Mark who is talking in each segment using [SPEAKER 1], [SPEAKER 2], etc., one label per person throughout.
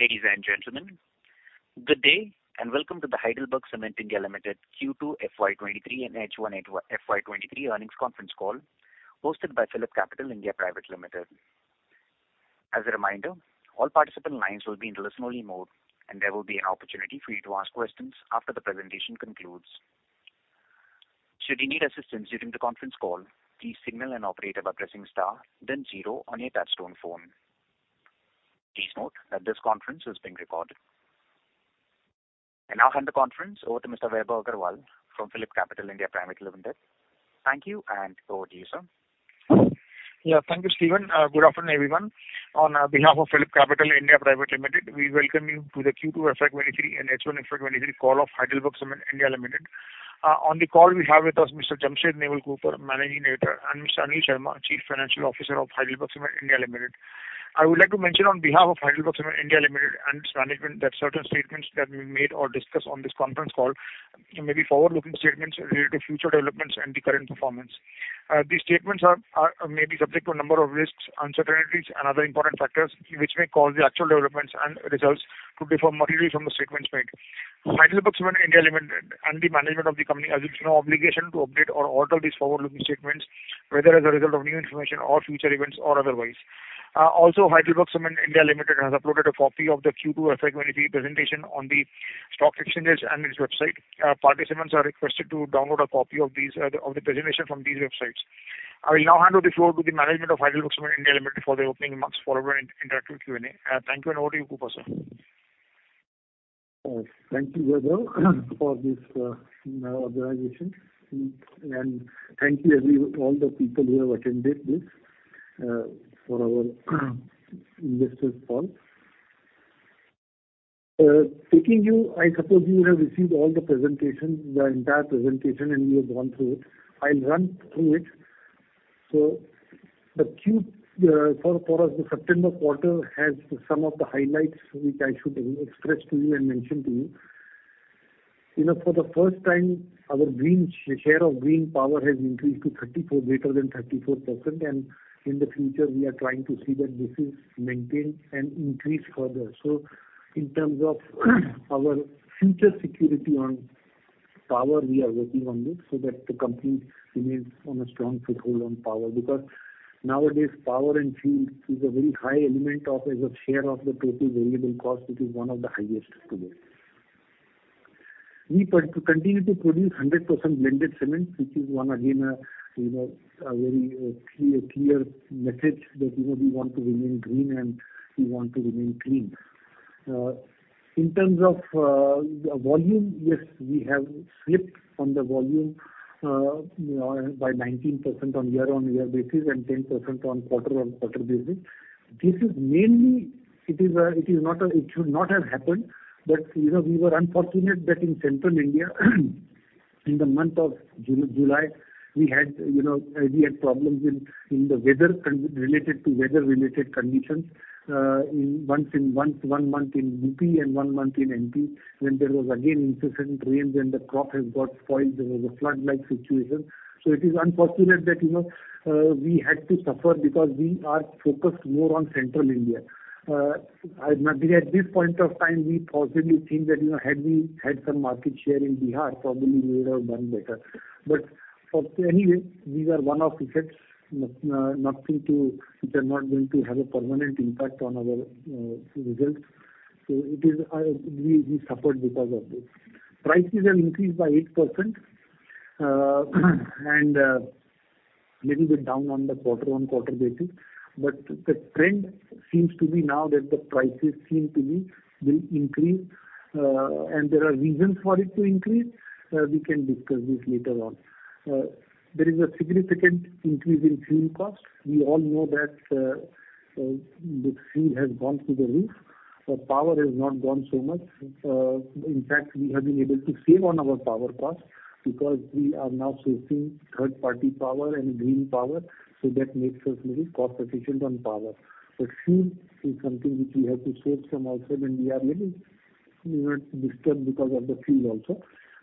[SPEAKER 1] Ladies and gentlemen, good day and welcome to the HeidelbergCement India Limited Q2 FY23 and H1 FY23 earnings conference call hosted by PhillipCapital (India) Private Limited. As a reminder, all participant lines will be in listen-only mode and there will be an opportunity for you to ask questions after the presentation concludes. Should you need assistance during the conference call, please press star, then zero, on your touch-tone phone. Please note that this conference is being recorded. Now hand the conference over to Mr. Vaibhav Agarwal from PhillipCapital (India) Private Limited. Thank you and over to you, sir.
[SPEAKER 2] Yeah, thank you, Steven. Good afternoon, everyone. On behalf of PhillipCapital (India) Private Limited, we welcome you to the Q2 FY23 and H1 FY23 call of HeidelbergCement India Limited. On the call, we have with us Mr. Jamshed Naval Cooper, Managing Director, and Mr. Anil Sharma, Chief Financial Officer of HeidelbergCement India Limited. I would like to mention on behalf of HeidelbergCement India Limited and its management that certain statements that we made or discussed on this conference call may be forward-looking statements related to future developments and the current performance. These statements may be subject to a number of risks, uncertainties, and other important factors which may cause the actual developments and results to differ materially from the statements made. HeidelbergCement India Limited and the management of the company exhibits no obligation to update or alter these forward-looking statements, whether as a result of new information or future events or otherwise. Also, HeidelbergCement India Limited has uploaded a copy of the Q2 FY23 presentation on the stock exchanges and its website. Participants are requested to download a copy of the presentation from these websites. I will now hand over the floor to the management of HeidelbergCement India Limited for their opening remarks followed by an interactive Q&A. Thank you and over to you, Cooper, sir.
[SPEAKER 3] Thank you, Vaibhav, for this organization. Thank you, all the people who have attended this for our investors call. Taking you, I suppose you have received all the presentation, the entire presentation, and you have gone through it. I'll run through it. For us, the September quarter has some of the highlights which I should express to you and mention to you. For the first time, our share of green power has increased to 34%, greater than 34%. In the future, we are trying to see that this is maintained and increased further. In terms of our future security on power, we are working on this so that the company remains on a strong foothold on power because nowadays, power and fuel is a very high element of as a share of the total variable cost, which is one of the highest today. We continue to produce 100% blended cement, which is, again, a very clear message that we want to remain green and we want to remain clean. In terms of volume, yes, we have slipped on the volume by 19% on year-over-year basis and 10% on quarter-over-quarter basis. This is mainly it is not a it should not have happened, but we were unfortunate that in central India, in the month of July, we had problems in the weather related to weather-related conditions once in one month in UP and one month in MP when there was, again, incessant rains and the crop has got spoiled. There was a flood-like situation. So it is unfortunate that we had to suffer because we are focused more on central India. At this point of time, we possibly think that had we had some market share in Bihar, probably we would have done better. But anyway, these are one-off effects, nothing to which are not going to have a permanent impact on our results. So we suffered because of this. Prices have increased by 8% and a little bit down on the quarter-over-quarter basis. But the trend seems to be now that the prices seem to be will increase. And there are reasons for it to increase. We can discuss this later on. There is a significant increase in fuel costs. We all know that the fuel has gone through the roof. Power has not gone so much. In fact, we have been able to save on our power costs because we are now sourcing third-party power and green power. So that makes us a little cost-efficient on power. But fuel is something which we have to source from outside, and we are a little disturbed because of the fuel also.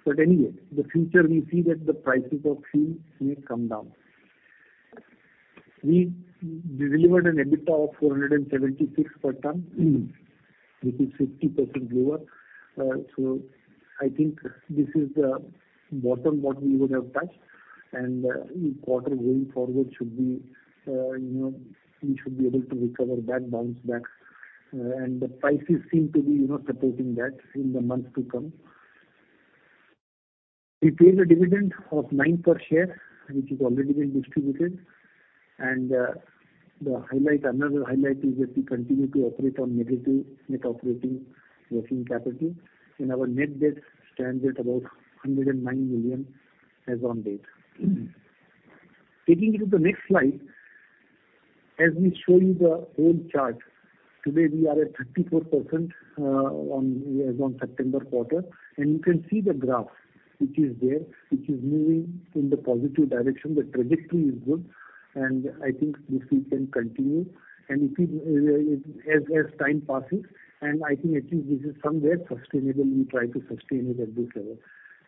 [SPEAKER 3] But anyway, in the future, we see that the prices of fuel may come down. We delivered an EBITDA of 476 per ton, which is 50% lower. So I think this is the bottom what we would have touched. And quarter going forward, we should be able to recover that bounce back. And the prices seem to be supporting that in the months to come. We paid a dividend of nine per share, which has already been distributed. And another highlight is that we continue to operate on net operating working capital. And our net debt stands at about 109 million as of date. Taking you to the next slide, as we show you the whole chart, today, we are at 34% as of September quarter. You can see the graph which is there, which is moving in the positive direction. The trajectory is good. And I think this weekend continue. And as time passes and I think at least this is somewhere sustainable, we try to sustain it at this level.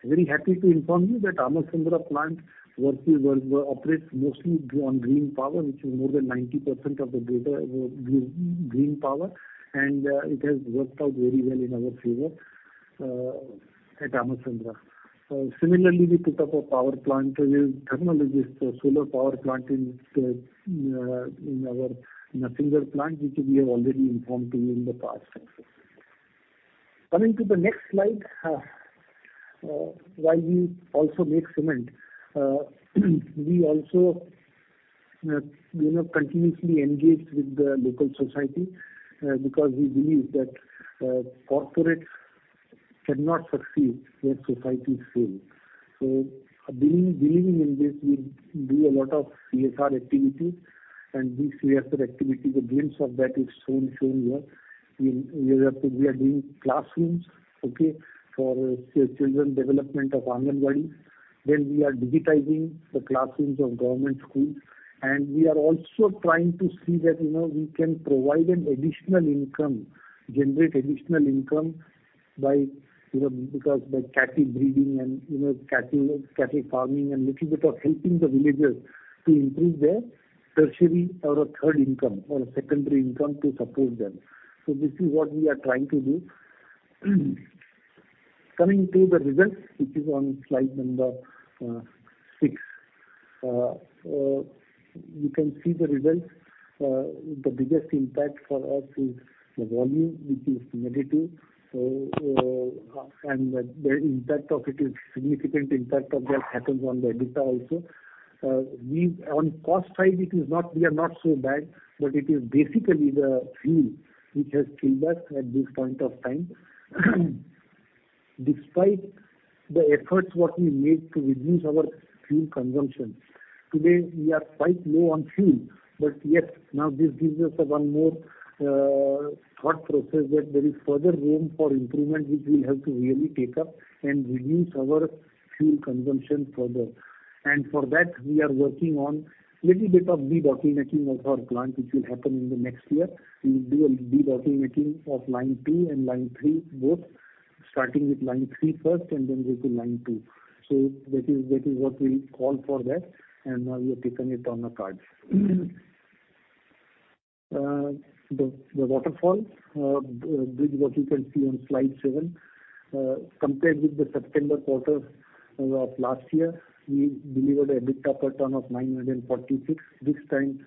[SPEAKER 3] Very happy to inform you that Ammasandra plant operates mostly on green power, which is more than 90% of the data green power. And it has worked out very well in our favor at Ammasandra. Similarly, we put up a power plant with thermal solar power plant in our Narsingarh plant, which we have already informed to you in the past. Coming to the next slide, while we also make cement, we also continuously engage with the local society because we believe that corporates cannot succeed where societies fail. So believing in this, we do a lot of CSR activities. These CSR activities, a glimpse of that is shown here. We are doing classrooms, okay, for children's development of Anganwadi. We are digitizing the classrooms of government schools. We are also trying to see that we can provide an additional income, generate additional income because by cattle breeding and cattle farming and a little bit of helping the villagers to improve their tertiary or a third income or a secondary income to support them. So this is what we are trying to do. Coming to the results, which is on slide number 6, you can see the results. The biggest impact for us is the volume, which is negative. The impact of it is significant impact of that happens on the EBITDA also. On cost side, we are not so bad, but it is basically the fuel which has killed us at this point of time. Despite the efforts what we made to reduce our fuel consumption, today, we are quite low on fuel. But yes, now this gives us one more thought process that there is further room for improvement, which will help to really take up and reduce our fuel consumption further. And for that, we are working on a little bit of de-bottlenecking of our plant, which will happen in the next year. We will do a de-bottlenecking of line 2 and line 3, both starting with line 3 first and then go to line 2. So that is what we call for that. And now we have taken it on a card. The waterfall bridge, what you can see on slide 7, compared with the September quarter of last year, we delivered an EBITDA per ton of 946. This time,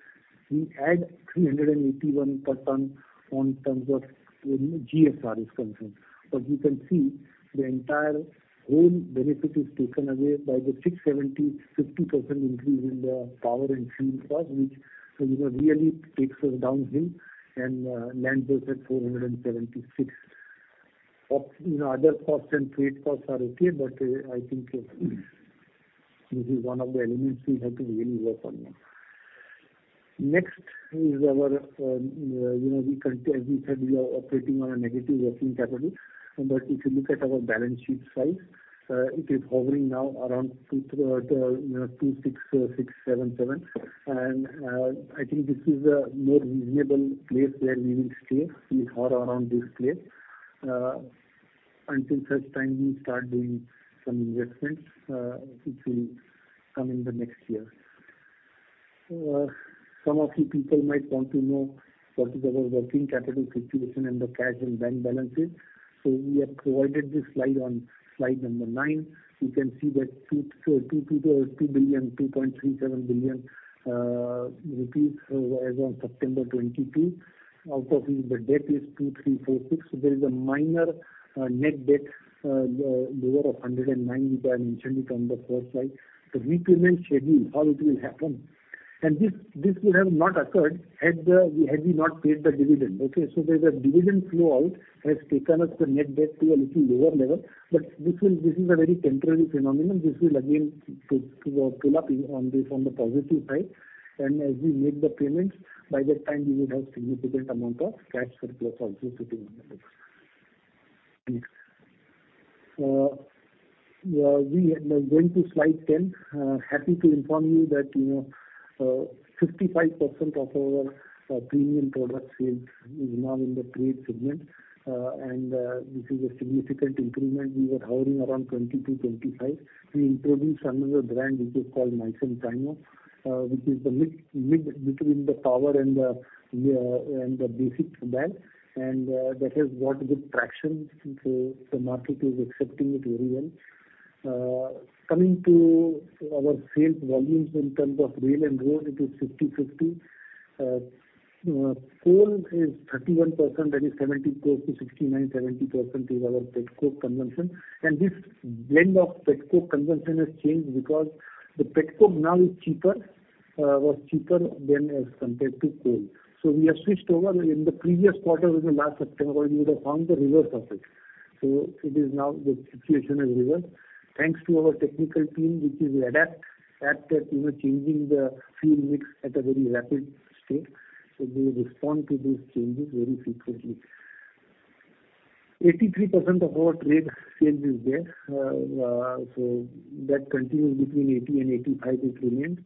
[SPEAKER 3] we add 381 per ton in terms of GSR is concerned. But you can see the entire whole benefit is taken away by the 670 50% increase in the power and fuel cost, which really takes us downhill and lands us at 476. Other costs and freight costs are okay, but I think this is one of the elements we have to really work on now. Next is our as we said, we are operating on a negative working capital. But if you look at our balance sheet size, it is hovering now around 266.77. And I think this is a more reasonable place where we will stay. We are around this place. Until such time, we start doing some investments, which will come in the next year. Some of you people might want to know what is our working capital situation and the cash and bank balances. So we have provided this slide on slide number 9. You can see that 2.37 billion rupees as of September 22. Out of it, the debt is 2,346. So there is a minor net debt lower of 109, which I mentioned it on the first slide. The repayment schedule, how it will happen. And this would have not occurred had we not paid the dividend, okay? So there's a dividend flowout has taken us the net debt to a little lower level. But this is a very temporary phenomenon. This will, again, pull up on the positive side. And as we make the payments, by that time, we would have significant amount of cash surplus also sitting on the book. Going to slide 10, happy to inform you that 55% of our premium products is now in the freight segment. And this is a significant improvement. We were hovering around 22 to 25. We introduced another brand which is called Mycem Primo, which is the mix between the power and the basic bag. And that has got good traction. So the market is accepting it very well. Coming to our sales volumes in terms of rail and road, it is 50/50. Coal is 31%. That is 70 to 69, 70% is our petcoke consumption. And this blend of petcoke consumption has changed because the petcoke now is cheaper, was cheaper than as compared to coal. So we have switched over. In the previous quarter, in the last September quarter, you would have found the reverse of it. So the situation is reversed thanks to our technical team, which is adapted to changing the fuel mix at a very rapid scale. So they respond to these changes very frequently. 83% of our trade sales is there. So that continues between 80 and 85, which remains.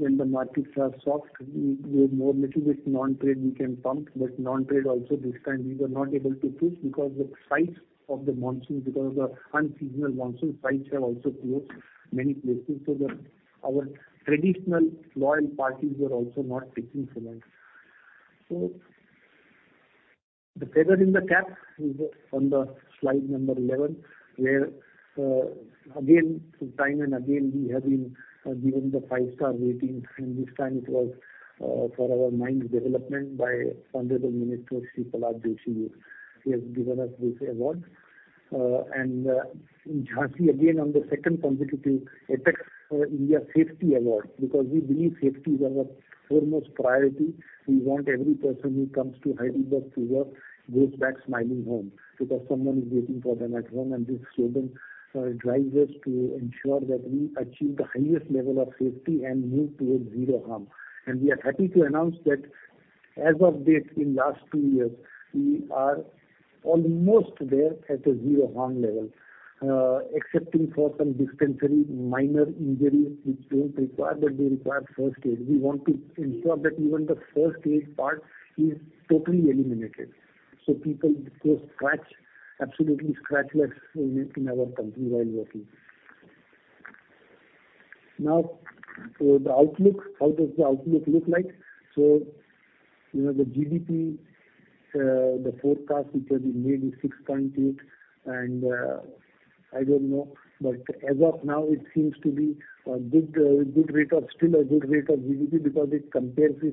[SPEAKER 3] When the markets are soft, we have more little bit non-trade we can pump. But non-trade also, this time, we were not able to push because of the sites of the monsoon, because of the unseasonal monsoon, sites have also closed many places. So our traditional loyal parties were also not picking cement. So the feather in the cap is on slide number 11 where, again, time and again, we have been given the five-star rating. And this time, it was for our mines' development by Honorable Minister Shri Pralhad Joshi. He has given us this award. And Jhansi, again, on the second consecutive APEX India Safety Award because we believe safety is our foremost priority. We want every person who comes to Hyderabad to work goes back smiling home because someone is waiting for them at home. This slogan drives us to ensure that we achieve the highest level of safety and move towards zero harm. We are happy to announce that as of today in the last 2 years, we are almost there at a zero harm level, excepting for some dispensable minor injuries, which don't require but they require first aid. We want to ensure that even the first aid part is totally eliminated so people go absolutely scratchless in our company while working. Now, how does the outlook look like? So the GDP, the forecast which has been made is 6.8. And I don't know. But as of now, it seems to be a good rate of still a good rate of GDP because if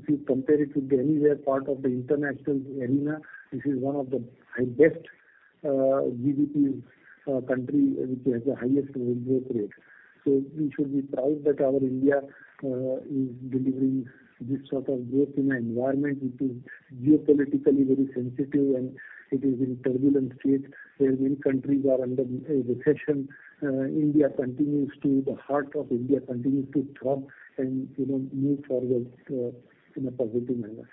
[SPEAKER 3] you compare it with the any other part of the international arena, this is one of the best GDP country which has the highest growth rate. So we should be proud that our India is delivering this sort of growth in an environment which is geopolitically very sensitive. It is in a turbulent state where many countries are under recession. The heart of India continues to throb and move forward in a positive manner.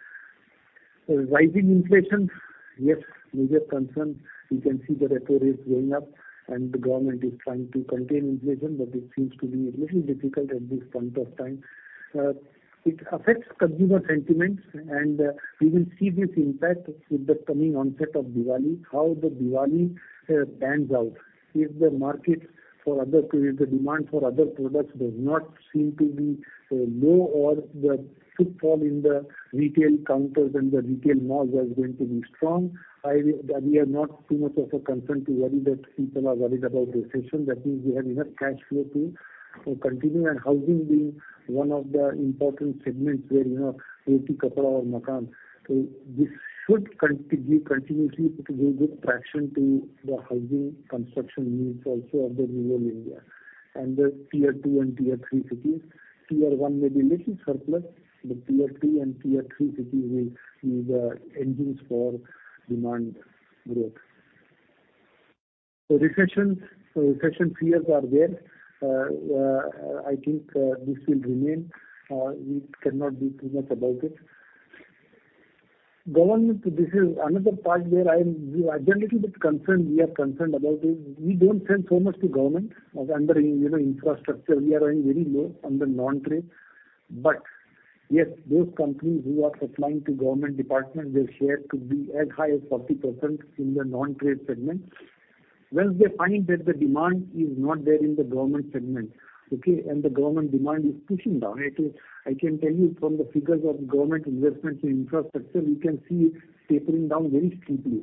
[SPEAKER 3] Rising inflation, yes, major concern. We can see the record rates going up. The government is trying to contain inflation. But it seems to be a little difficult at this point of time. It affects consumer sentiments. We will see this impact with the coming onset of Diwali, how the Diwali pans out, if the demand for other products does not seem to be low or the footfall in the retail counters and the retail malls are going to be strong. We are not too much of a concern to worry that people are worried about recession. That means we have enough cash flow to continue. And housing being one of the important segments where 80% of our markets. So this should give continuously good traction to the housing construction needs also of the rural India and the tier two and tier three cities. Tier one may be a little surplus, but tier two and tier three cities will be the engines for demand growth. So recession fears are there. I think this will remain. We cannot do too much about it. This is another part where I'm a little bit concerned. We are concerned about it. We don't sell so much to government under infrastructure. We are running very low under non-trade. But yes, those companies who are supplying to government departments, their share could be as high as 40% in the non-trade segment once they find that the demand is not there in the government segment, okay? The government demand is pushing down. I can tell you from the figures of government investments in infrastructure, you can see it tapering down very steeply.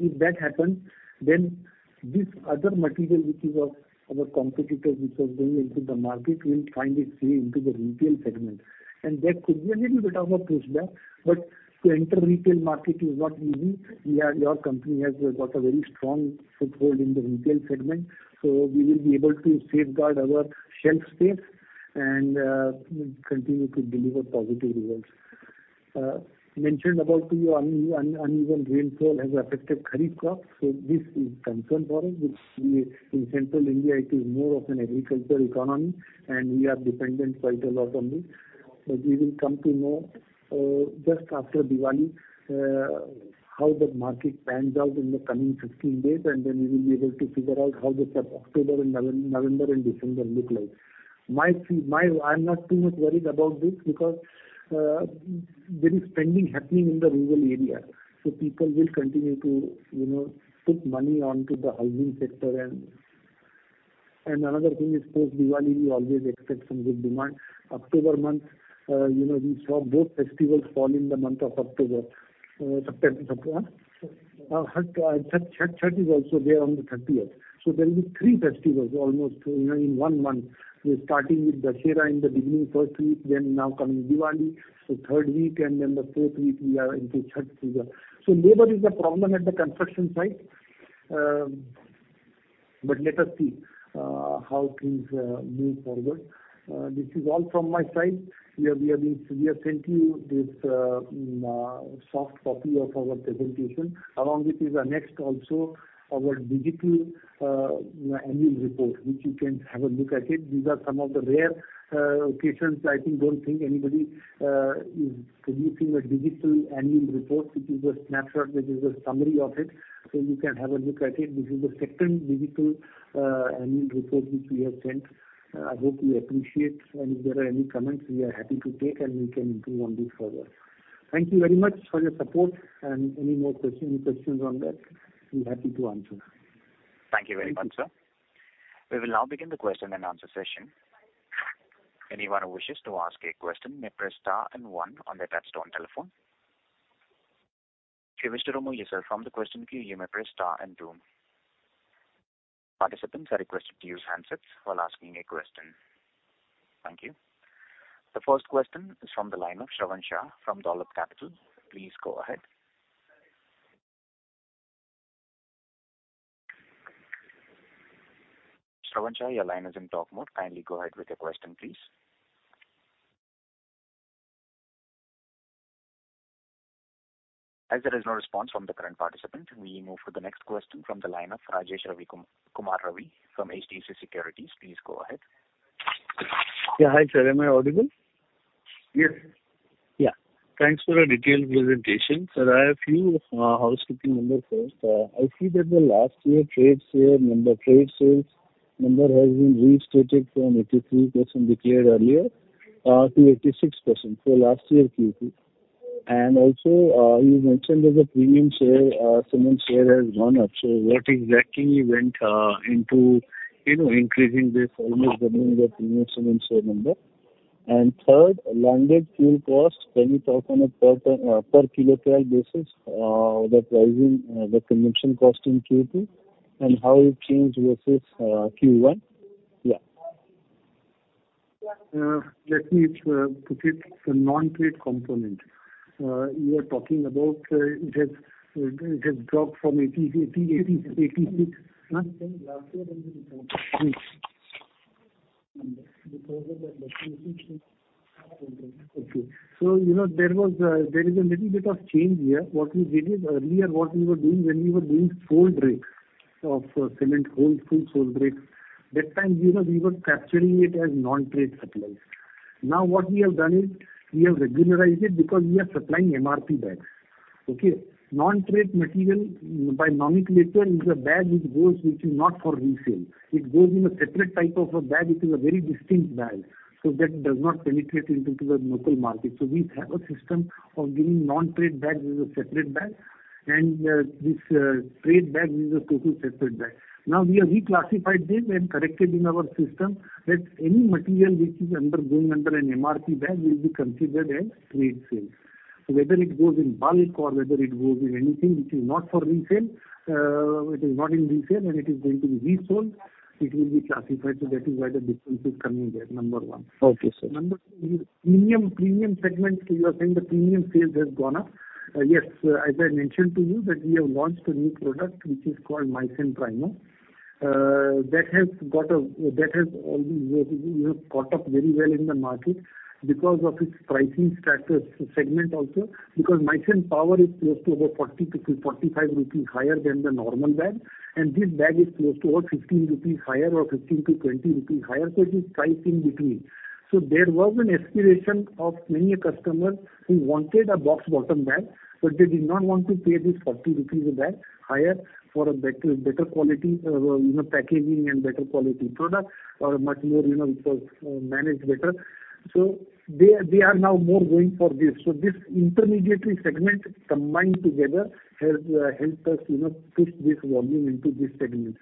[SPEAKER 3] If that happens, then this other material which is of our competitors which was going into the market will find its way into the retail segment. There could be a little bit of a pushback. But to enter retail market is not easy. Your company has got a very strong foothold in the retail segment. So we will be able to safeguard our shelf space and continue to deliver positive results. Mentioned about to you, uneven rainfall has affected kharif crops. So this is concern for us. In Central India, it is more of an agriculture economy. We are dependent quite a lot on this. But we will come to know just after Diwali how the market pans out in the coming 15 days. And then we will be able to figure out how the October and November and December look like. I'm not too much worried about this because there is spending happening in the rural area. So people will continue to put money onto the housing sector. And another thing is post-Diwali, we always expect some good demand. October month, we saw both festivals fall in the month of October. Chhath is also there on the 30th. So there will be three festivals almost in one month, starting with Dussehra in the beginning first week, then now coming Diwali, the third week, and then the fourth week, we are into Chhath Puja. So labor is a problem at the construction site. But let us see how things move forward. This is all from my side. We have sent you this soft copy of our presentation. Along with it is a next also our digital annual report, which you can have a look at it. These are some of the rare occasions. I don't think anybody is producing a digital annual report. It is a snapshot. This is a summary of it. So you can have a look at it. This is the second digital annual report which we have sent. I hope you appreciate. If there are any comments, we are happy to take. We can improve on this further. Thank you very much for your support. Any questions on that, we're happy to answer.
[SPEAKER 1] Thank you very much, sir. We will now begin the question and answer session. Anyone who wishes to ask a question may press star and one on their touch-tone telephone. If you wish to remove yourself from the question queue, you may press star and two. Participants are requested to use handsets while asking a question. Thank you. The first question is from the line of Shravan Shah from Dolat Capital. Please go ahead. Shravan Shah, your line is in talk mode. Kindly go ahead with your question, please. As there is no response from the current participant, we move to the next question from the line of Rajesh Kumar Ravi from HDFC Securities. Please go ahead.
[SPEAKER 4] Yeah. Hi, sir. Am I audible?
[SPEAKER 3] Yes.
[SPEAKER 4] Yeah. Thanks for the detailed presentation. Sir, I have a housekeeping number first. I see that the last year trade sales number has been restated from 83% declared earlier to 86% for last year Q2. And also, you mentioned that the premium share, cement share, has gone up. So what exactly went into increasing this, almost doubling the premium cement share number? And third, landed fuel cost, can you talk on a per-kiloton basis the consumption cost in Q2 and how it changed versus Q1?
[SPEAKER 3] Yeah. Let me put it as a non-trade component. You are talking about it has dropped from 86. Okay. So there is a little bit of change here. What we did earlier, what we were doing when we were doing free bags of cement, full sales bags, that time, we were capturing it as non-trade supplies. Now, what we have done is we have regularized it because we are supplying MRP bags, okay? Non-trade material by nomenclature is a bag which goes not for resale. It goes in a separate type of a bag. It is a very distinct bag. So that does not penetrate into the local market. So we have a system of giving non-trade bags as a separate bag. And this trade bag is a totally separate bag. Now, we have reclassified this and corrected in our system that any material which is going under an MRP bag will be considered as trade sales. So whether it goes in bulk or whether it goes in anything which is not for resale, it is not in resale, and it is going to be resold, it will be classified. So that is why the difference is coming there, number one. Okay, sir. Number two, premium segment, you are saying the premium sales have gone up. Yes, as I mentioned to you that we have launched a new product which is called Mycem Primo. That has caught up very well in the market because of its pricing segment also, because Mycem Power is close to about 40 to 45 rupees higher than the normal bag. And this bag is close to about 15 rupees higher or 15 to 20 rupees higher. So it is priced in between. So there was an aspiration of many customers who wanted a box-bottom bag, but they did not want to pay this 40 rupees a bag higher for better quality packaging and better quality product or much more which was managed better. So they are now more going for this. So this intermediary segment combined together has helped us push this volume into this segment.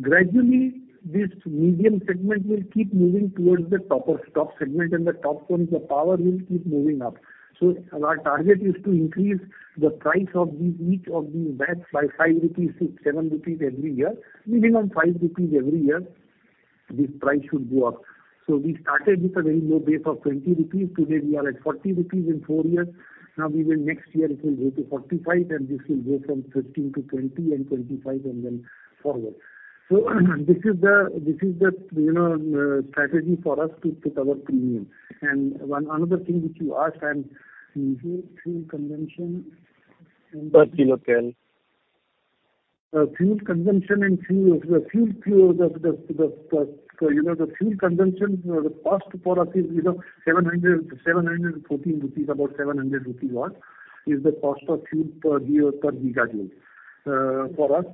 [SPEAKER 3] Gradually, this medium segment will keep moving towards the top segment. And the top one is the power will keep moving up. So our target is to increase the price of each of these bags by 5 rupees to 7 rupees every year. Minimum 5 rupees every year, this price should go up. So we started with a very low base of 20 rupees. Today, we are at 40 rupees in 4 years. Now, next year, it will go to 45. And this will go from 15 to 20 and 25 and then forward. So this is the strategy for us to put our premium. And another thing which you asked, fuel consumption and per kilotel. Fuel consumption and fuel fuels. The fuel consumption cost for us is 714 rupees, about 700 rupees odd is the cost of fuel per gigajoule for us.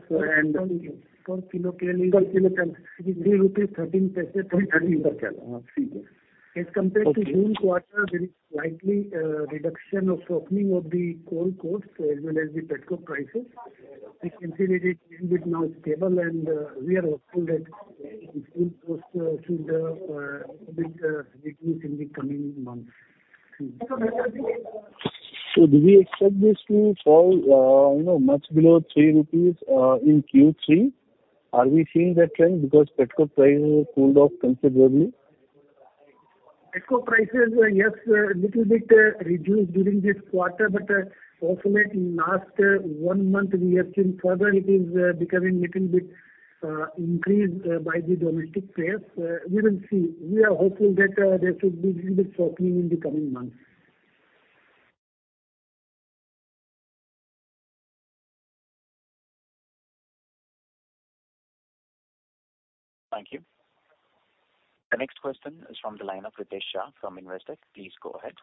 [SPEAKER 3] And per kilotel is per kilotel. INR 3.13 per kilo. 3.13 rupees per kilo. As compared to June quarter, there is slight reduction or softening of the coal costs as well as the petcoke prices. We considered it a little bit now stable. We are hopeful that the fuel cost should a little bit reduce in the coming months. So do we expect this to fall much below 3 rupees in Q3? Are we seeing that trend because petcoke prices have cooled off considerably? Petcoke prices, yes, a little bit reduced during this quarter. But also in the last one month, we have seen further it is becoming a little bit increased by the domestic peers. We will see. We are hopeful that there should be a little bit softening in the coming months.
[SPEAKER 1] Thank you. The next question is from the line of Ritesh Shah from Investec. Please go ahead.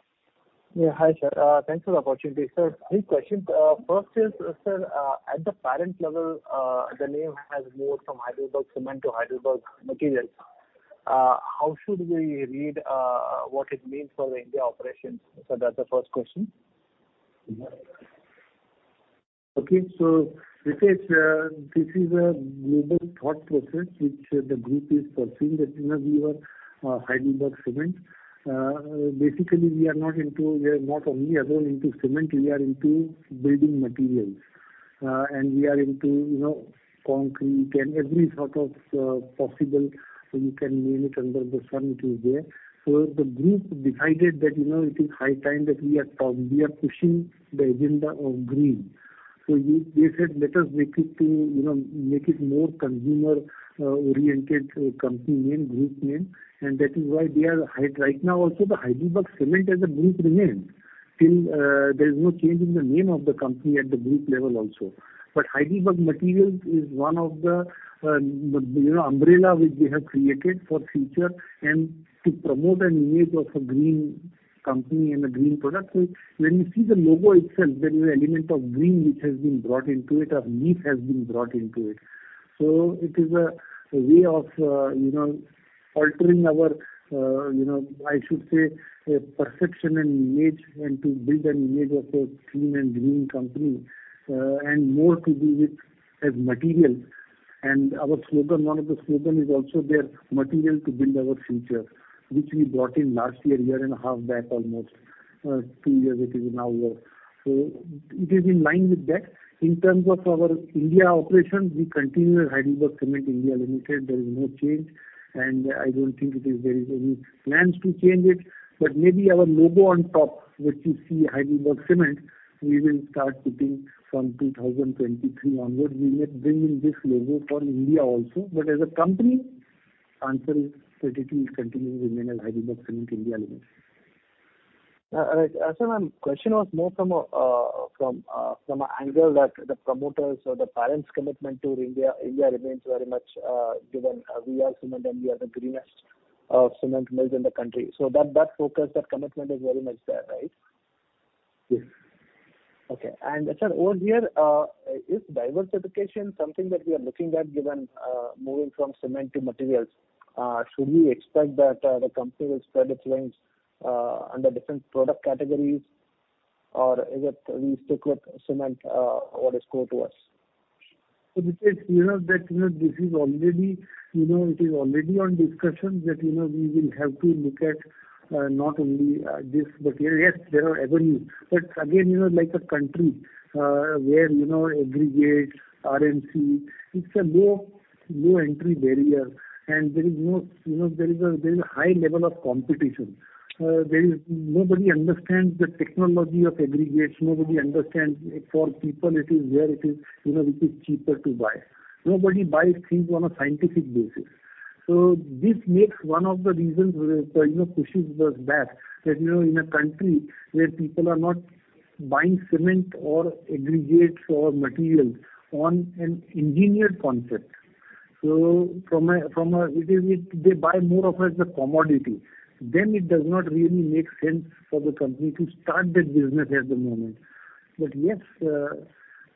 [SPEAKER 5] Yeah. Hi, sir. Thanks for the opportunity, sir. Three questions. First is, sir, at the parent level, the name has moved from HeidelbergCement to Heidelberg Materials. How should we read what it means for the India operations? So that's the first question.
[SPEAKER 3] Okay. So, Ritesh, this is a global thought process which the group is pursuing. We are HeidelbergCement. Basically, we are not only alone in cement. We are into building materials. And we are into concrete and every sort of possible you can name it under the sun, it is there. So the group decided that it is high time that we are pushing the agenda of green. So they said, "Let us make it more consumer-oriented company name, group name." And that is why they are right now also, the HeidelbergCement as a group remains till there is no change in the name of the company at the group level also. But Heidelberg Materials is one of the umbrella which they have created for future and to promote an image of a green company and a green product. So when you see the logo itself, there is an element of green which has been brought into it, of leaf has been brought into it. So it is a way of altering our, I should say, perception and image and to build an image of a clean and green company and more to do with as materials. And one of the slogans is also there, "Material to build our future," which we brought in last year, year and a half back almost, two years it is now. So it is in line with that. In terms of our India operations, we continue as HeidelbergCement India Limited. There is no change. And I don't think there is any plans to change it. But maybe our logo on top, which you see HeidelbergCement, we will start putting from 2023 onward. We may bring in this logo for India also. But as a company, the answer is that it will continue to remain as HeidelbergCement India Limited.
[SPEAKER 5] All right. Sir, my question was more from an angle that the promoters or the parents' commitment to India remains very much given. We are cement, and we are the greenest cement mills in the country. So that focus, that commitment is very much there, right?
[SPEAKER 3] Yes.
[SPEAKER 5] Okay. And, sir, over here, is diversification something that we are looking at given moving from cement to materials? Should we expect that the company will spread its wings under different product categories? Or is it we stick with cement, what is core to us?
[SPEAKER 3] Ritesh, that this is already on discussion that we will have to look at not only this. But yes, there are avenues. But again, like in a country where aggregates, RMC, it's a low entry barrier. And there is a high level of competition. Nobody understands the technology of aggregates. Nobody understands for people, it is where it is which is cheaper to buy. Nobody buys things on a scientific basis. So this makes one of the reasons pushes us back that in a country where people are not buying cement or aggregates or materials on an engineered concept. So from a they buy more of as a commodity. Then it does not really make sense for the company to start that business at the moment. But yes,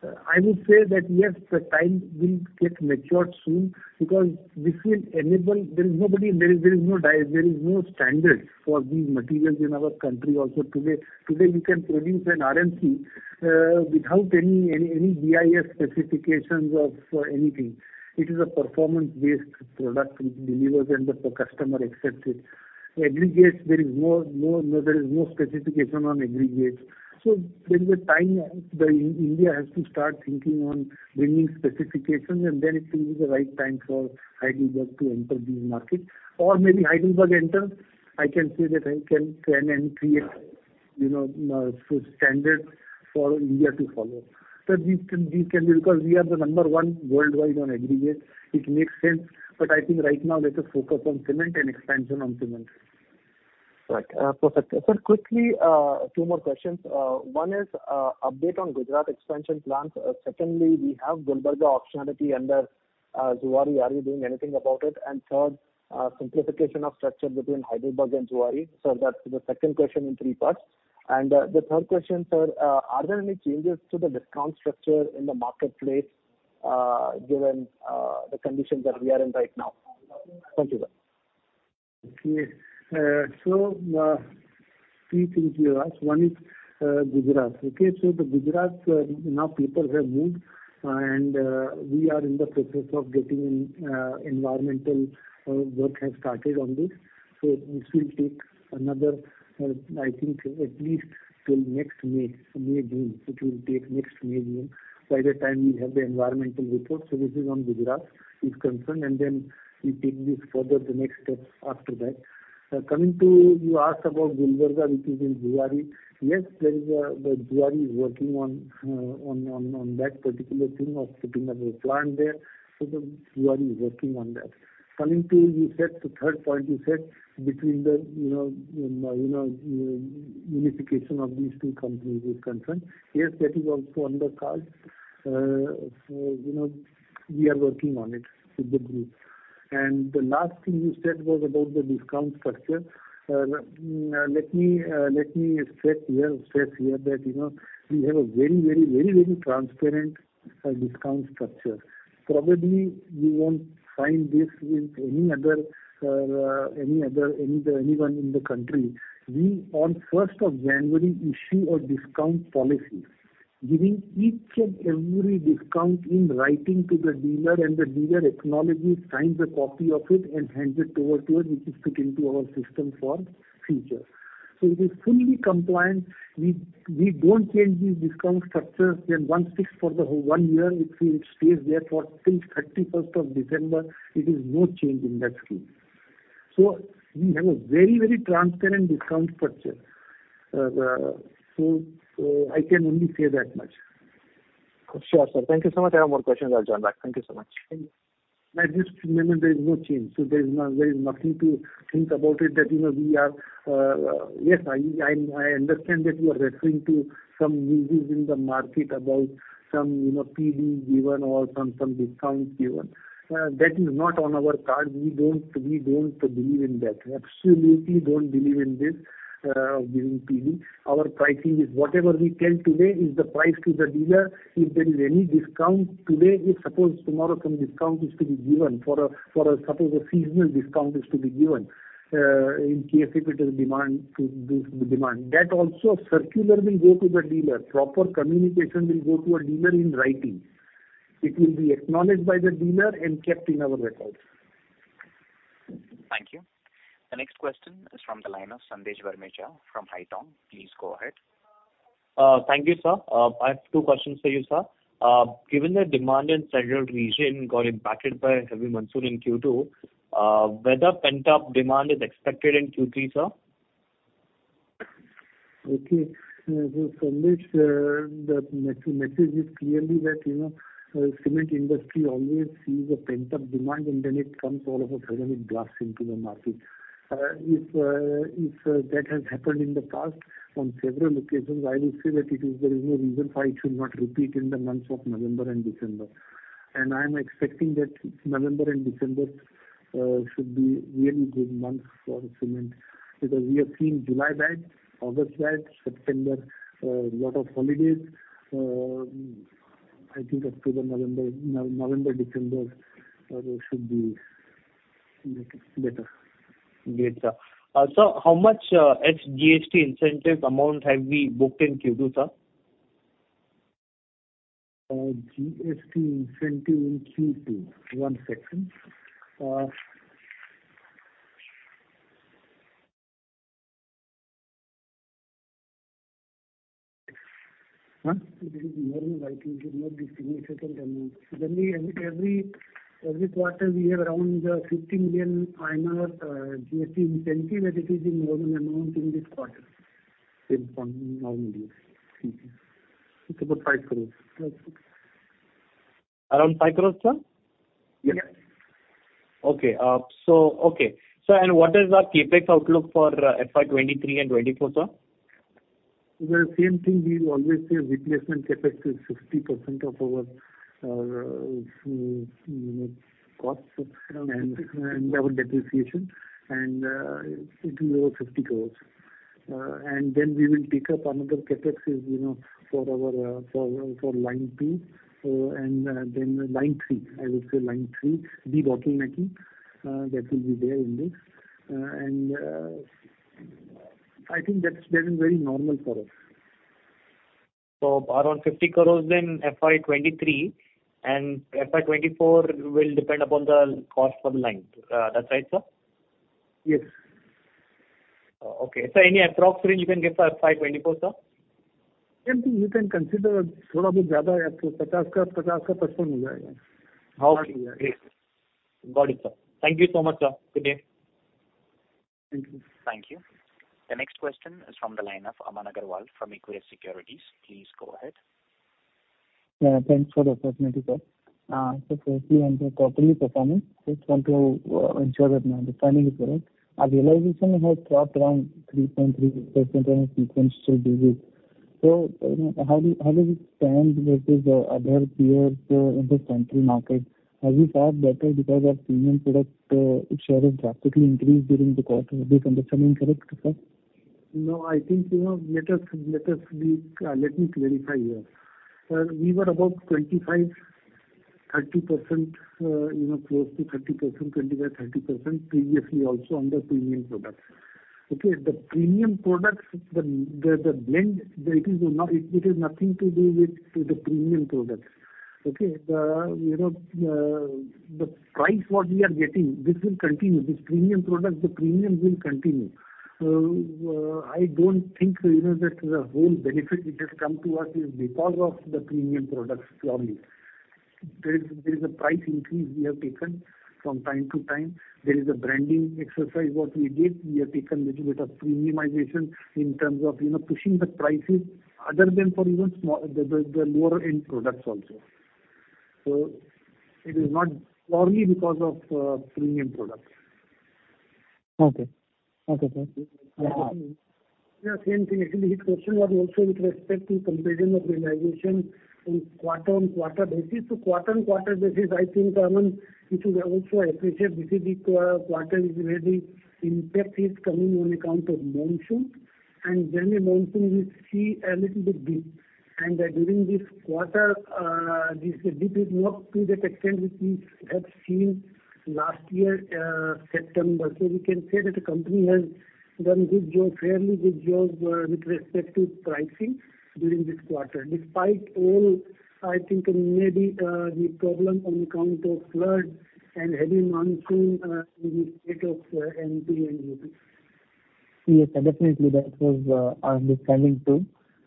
[SPEAKER 3] I would say that yes, the time will get matured soon because this will enable there is nobody there is no standard for these materials in our country also today. Today, you can produce an RMC without any BIS specifications of anything. It is a performance-based product which delivers and the customer accepts it. Aggregates, there is no there is no specification on Aggregates. So there is a time India has to start thinking on bringing specifications. And then it will be the right time for Heidelberg to enter these markets. Or maybe Heidelberg enters, I can say that it can create a standard for India to follow. But this can be because we are the number one worldwide on Aggregates. It makes sense. But I think right now, let us focus on cement and expansion on cement.
[SPEAKER 5] Right. Perfect. Sir, quickly, two more questions. One is update on Gujarat expansion plans. Secondly, we have Gulbarga optionality under Zuari. Are you doing anything about it? And third, simplification of structure between Heidelberg and Zuari. Sir, that's the second question in three parts. And the third question, sir, are there any changes to the discount structure in the marketplace given the conditions that we are in right now? Thank you, sir.
[SPEAKER 3] Okay. So three things you asked. One is Gujarat, okay? So the Gujarat now, people have moved. And we are in the process of getting in environmental work has started on this. So this will take another, I think, at least till next May, May, June. So it will take next May, June. By that time, we'll have the environmental report. So this is on Gujarat is concerned. And then we take this further, the next step after that. Coming to what you asked about Gulbarga, which is in Zuari. Yes, Zuari is working on that particular thing of putting up a plant there. So Zuari is working on that. Coming to what you said, the third point, you said between the unification of these two companies is concerned. Yes, that is also on the card. We are working on it with the group. And the last thing you said was about the discount structure. Let me stress here that we have a very, very, very, very transparent discount structure. Probably, you won't find this with any other anyone in the country. We, on 1st of January, issue a discount policy, giving each and every discount in writing to the dealer. And the dealer acknowledges, signs a copy of it, and hands it over to us, which is put into our system for future. So it is fully compliant. We don't change these discount structures. Then once it's for the one year, it stays there till 31st of December. It is no change in that scheme. So we have a very, very transparent discount structure. So I can only say that much.
[SPEAKER 5] Sure, sir. Thank you so much. I have more questions. I'll jump back. Thank you so much.
[SPEAKER 3] Thank you. I just remember there is no change. So there is nothing to think about it that we are yes, I understand that you are referring to some news in the market about some PD given or some discounts given. That is not on our card. We don't believe in that. Absolutely don't believe in this of giving PD. Our pricing is whatever we tell today is the price to the dealer. If there is any discount today, if suppose tomorrow some discount is to be given for a suppose a seasonal discount is to be given in case if it is demand to boost the demand, that also circular will go to the dealer. Proper communication will go to a dealer in writing. It will be acknowledged by the dealer and kept in our records.
[SPEAKER 1] Thank you. The next question is from the line of Sandesh Barmecha from Haitong. Please go ahead.
[SPEAKER 6] Thank you, sir. I have two questions for you, sir. Given that demand in Central Region got impacted by a heavy monsoon in Q2, whether pent-up demand is expected in Q3, sir?
[SPEAKER 3] Okay. So, Sandesh, the message is clearly that cement industry always sees a pent-up demand. And then it comes all of a sudden, it blasts into the market. If that has happened in the past on several occasions, I will say that there is no reason why it should not repeat in the months of November and December. And I am expecting that November and December should be really good months for cement because we have seen July bad, August bad, September, a lot of holidays. I think October, November, December should be better.
[SPEAKER 6] Great, sir. Sir, how much GST incentive amount have we booked in Q2, sir?
[SPEAKER 3] GST incentive in Q2. One second. It is normal. I think it will not be significant amount. Every quarter, we have around 50 million GST incentive. And it is a normal amount in this quarter. In normal years. It's about INR 5 crores.
[SPEAKER 6] Around INR 5 crores, sir?
[SPEAKER 3] Yes. Yes.
[SPEAKER 6] Okay. So, okay. Sir, and what is our CapEx outlook for FY23 and FY24, sir?
[SPEAKER 3] The same thing. We always say replacement CapEx is 50% of our costs and our depreciation. And it will be over 50 crores. And then we will take up another CapEx for our line two. And then line three, I would say line three, de-bottlenecking. That will be there in this. And I think that is very normal for us.
[SPEAKER 6] So around INR 50 crores in FY23. And FY24 will depend upon the cost for the line. That's right, sir?
[SPEAKER 3] Yes.
[SPEAKER 6] Okay. Sir, any approximate you can give for FY24, sir?
[SPEAKER 3] You can consider a thought of a job. 50, 50, 50% will go ahead.
[SPEAKER 6] Okay. Got it, sir. Thank you so much, sir. Good day.
[SPEAKER 3] Thank you.
[SPEAKER 1] Thank you. The next question is from the line of Aman Agarwal from Equirus Securities. Please go ahead.
[SPEAKER 7] Thanks for the opportunity, sir. So firstly, on the quarterly performance, I just want to ensure that the timing is correct. Our realization has dropped around 3.3% on a sequential basis. So how do we stand versus other peers in the central market? Have we fared better because our premium product share has drastically increased during the quarter? Is this understanding correct, sir?
[SPEAKER 3] No, I think let me clarify here. Sir, we were about 25% to 30%, close to 30%, 25% to 30% previously also on the premium products, okay? The premium products, the blend, it has nothing to do with the premium products, okay? The price what we are getting, this will continue. This premium product, the premium will continue. I don't think that the whole benefit which has come to us is because of the premium products purely. There is a price increase we have taken from time to time. There is a branding exercise what we did. We have taken a little bit of premiumization in terms of pushing the prices other than for even the lower-end products also. So it is not purely because of premium products.
[SPEAKER 7] Okay. Okay, sir.
[SPEAKER 3] Yeah, same thing. Actually, his question was also with respect to comparison of realization on quarter-on-quarter basis. So quarter-on-quarter basis, I think, Aman, which is also appreciated, this is the quarter where the impact is coming on account of monsoon. And then the monsoon, we see a little bit dip. And during this quarter, this dip is not to that extent which we have seen last year, September. So we can say that the company has done good job, fairly good job with respect to pricing during this quarter despite all, I think, maybe the problem on account of flood and heavy monsoon in the state of MP and UP.
[SPEAKER 7] Yes, sir. Definitely, that was our understanding too.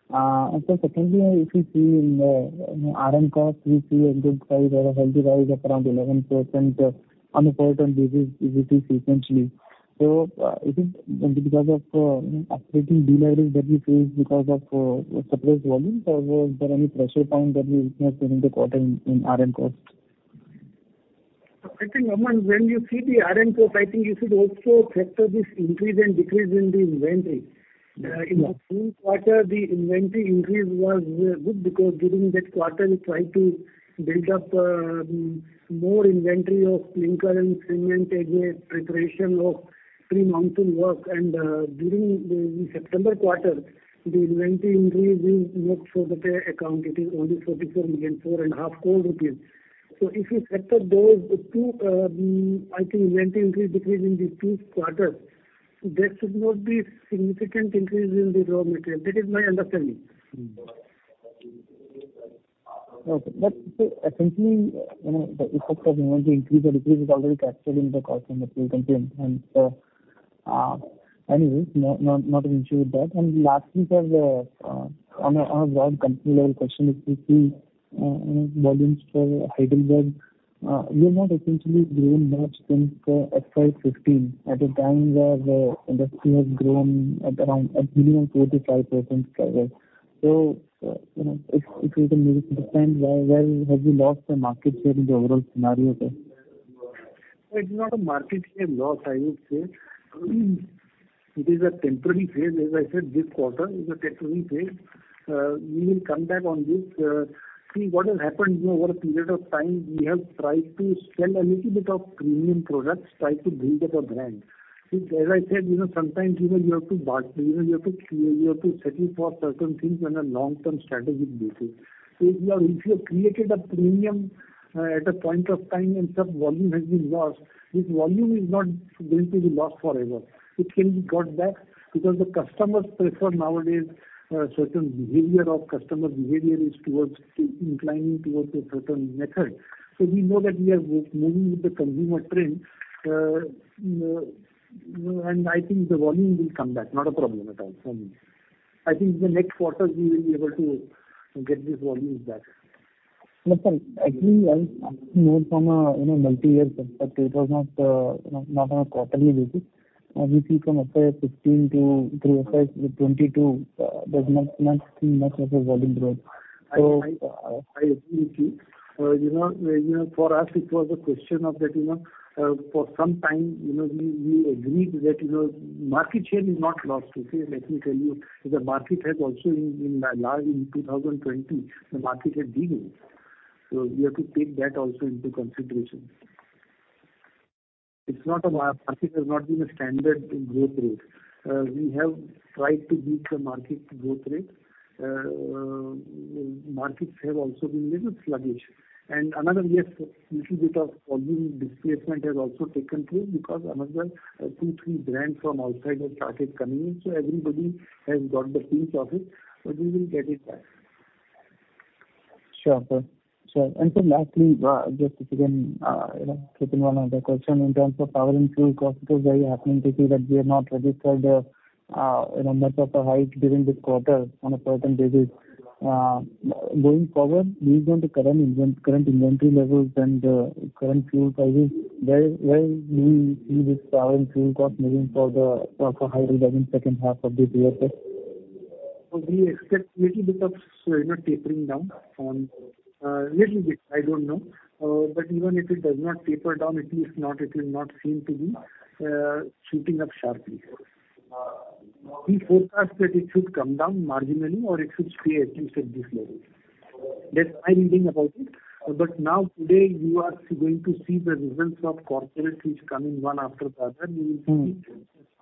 [SPEAKER 7] And sir, secondly, if we see in the RM cost, we see a good rise or a healthy rise of around 11% on a quarter-on-quarter basis which is sequentially. So is it because of operating deleverage that we face because of sales volumes? Or was there any pressure point that we witnessed during the quarter in RM cost?
[SPEAKER 3] I think, Aman, when you see the RM cost, I think you should also factor this increase and decrease in the inventory. In the same quarter, the inventory increase was good because during that quarter, we tried to build up more inventory of clinker and cement as a preparation of pre-monsoon work. And during the September quarter, the inventory increase is not for that account. It is only 89 million rupees. So if we factor those two, I think, inventory increase decrease in these two quarters, there should not be significant increase in the raw material. That is my understanding.
[SPEAKER 7] Okay. But essentially, the effect of inventory increase or decrease is already captured in the cost of material consumed. And so anyways, not an issue with that. And lastly, sir, on a broad company-level question, if we see volumes for Heidelberg, we have not essentially grown much since FY15 at a time where the industry has grown at minimum 45% level. So if we can maybe understand where have we lost the market share in the overall scenario, sir?
[SPEAKER 3] It's not a market share loss, I would say. It is a temporary phase. As I said, this quarter is a temporary phase. We will come back on this. See, what has happened over a period of time, we have tried to sell a little bit of premium products, tried to build up a brand. As I said, sometimes, you have to bargain. You have to settle for certain things on a long-term strategic basis. So if you have created a premium at a point of time and some volume has been lost, this volume is not going to be lost forever. It can be got back because the customers prefer nowadays certain behavior of customer behavior is inclining towards a certain method. We know that we are moving with the consumer trend. I think the volume will come back, not a problem at all for me. I think the next quarter, we will be able to get this volume back.
[SPEAKER 7] Yes, sir. Actually, I see more from a multiyear perspective. It was not on a quarterly basis. We see from FY15 through FY22, there's not seen much of a volume growth.
[SPEAKER 3] I agree with you. For us, it was a question of that for some time, we agreed that market share is not lost, okay? Let me tell you, the market has also in 2020, the market had decreased. We have to take that also into consideration. It's not a market has not been a standard growth rate. We have tried to beat the market growth rate. Markets have also been a little sluggish. And another, yes, a little bit of volume displacement has also taken place because another two to three brands from outside have started coming in. So everybody has got the pinch of it. But we will get it back.
[SPEAKER 7] Sure, sir. Sure. And sir, lastly, just if you can chip in one other question. In terms of power and fuel cost, it was very happening to see that we have not registered much of a hike during this quarter on a certain basis. Going forward, based on the current inventory levels and current fuel prices, where do we see this power and fuel cost moving for Heidelberg in the second half of this year, sir?
[SPEAKER 3] We expect a little bit of tapering down a little bit. I don't know. But even if it does not taper down, at least it is not seen to be shooting up sharply. We forecast that it should come down marginally or it should stay at least at this level. That's my reading about it. But now, today, you are going to see the results of corporates which come in one after the other. You will see the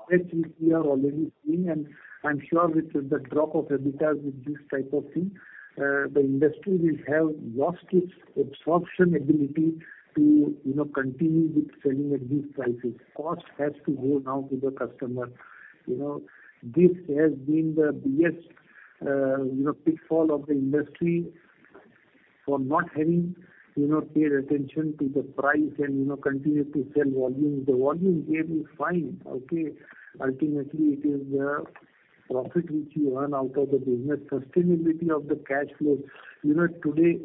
[SPEAKER 3] stretch which we are already seeing. And I'm sure with the drop of EBITDA with this type of thing, the industry will have lost its absorption ability to continue with selling at these prices. Cost has to go now to the customer. This has been the biggest pitfall of the industry for not having paid attention to the price and continued to sell volumes. The volume game is fine, okay? Ultimately, it is the profit which you earn out of the business, sustainability of the cash flows. Today,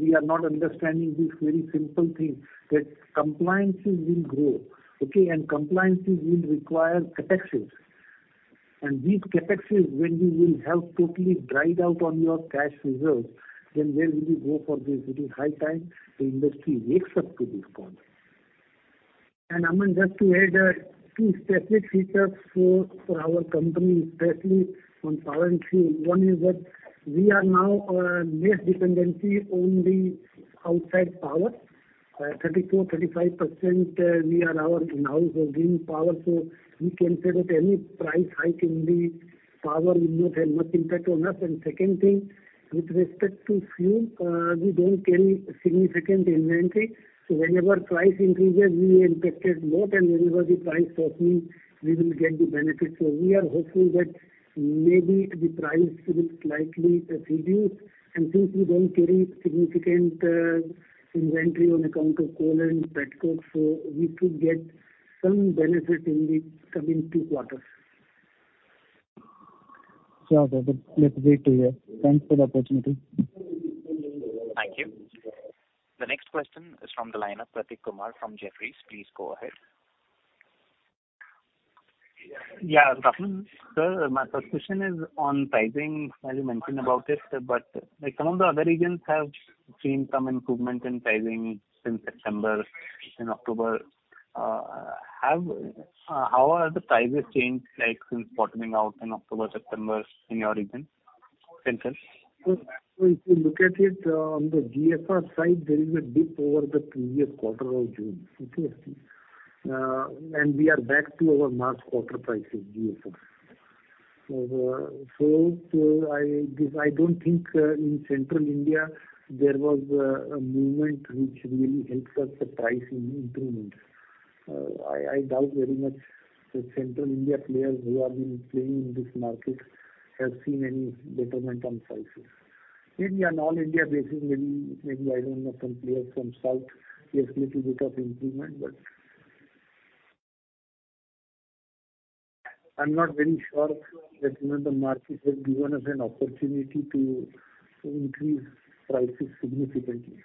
[SPEAKER 3] we are not understanding this very simple thing that compliances will grow, okay? Compliances will require CapExes. These CapExes, when you will have totally dried out on your cash reserves, then where will you go for this? It is high time the industry wakes up to this point. And Aman, just to add two specific features for our company, especially on power and fuel, one is that we are now less dependency only outside power. 34% to 35%, we are our in-house of giving power. So we can say that any price hike in the power will not have much impact on us. And second thing, with respect to fuel, we don't carry significant inventory. So whenever price increases, we are impacted a lot. And whenever the price drops in, we will get the benefit. So we are hopeful that maybe the price will slightly reduce. And since we don't carry significant inventory on account of coal and Petcoke, so we could get some benefit in the coming 2 quarters. Sure, sir. But let's wait to hear.
[SPEAKER 7] Thanks for the opportunity.
[SPEAKER 1] Thank you. The next question is from the line of Prateek Kumar from Jefferies. Please go ahead.
[SPEAKER 8] Yeah, ask that one, sir. My first question is on pricing. You mentioned about it. But some of the other regions have seen some improvement in pricing since September and October. How are the prices changed since bottoming out in October, September in your region, Central?
[SPEAKER 3] If you look at it on the GSR side, there is a dip over the previous quarter of June, okay? And we are back to our March quarter prices, GSR. So I don't think in Central India, there was a movement which really helped us the price in improvement. I doubt very much the Central India players who have been playing in this market have seen any betterment on prices. Maybe on all India basis, maybe I don't know, some players from south, yes, little bit of improvement. But I'm not very sure that the market has given us an opportunity to increase prices significantly.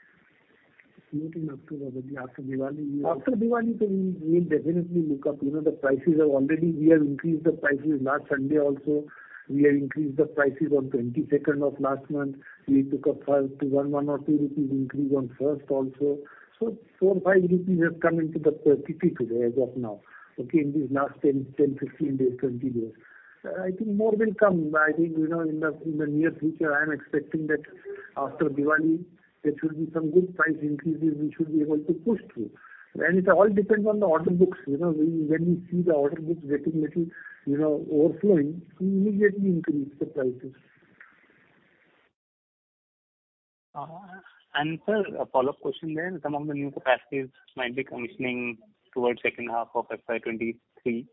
[SPEAKER 3] Not in October, but after Diwali, we will. After Diwali, so we will definitely look up. The prices have already; we have increased the prices. Last Sunday also, we have increased the prices on 22nd of last month. We took up to 1, 1, or 2 rupees increase on first also. So 4 to 5 rupees have come into the quantity today as of now, okay, in these last 10 to 15 days, 20 days. I think more will come. I think in the near future, I am expecting that after Diwali, there should be some good price increases we should be able to push through. It all depends on the order books. When we see the order books getting a little overflowing, we immediately increase the prices.
[SPEAKER 8] Sir, a follow-up question there. Some of the new capacities might be commissioning towards second half of FY23.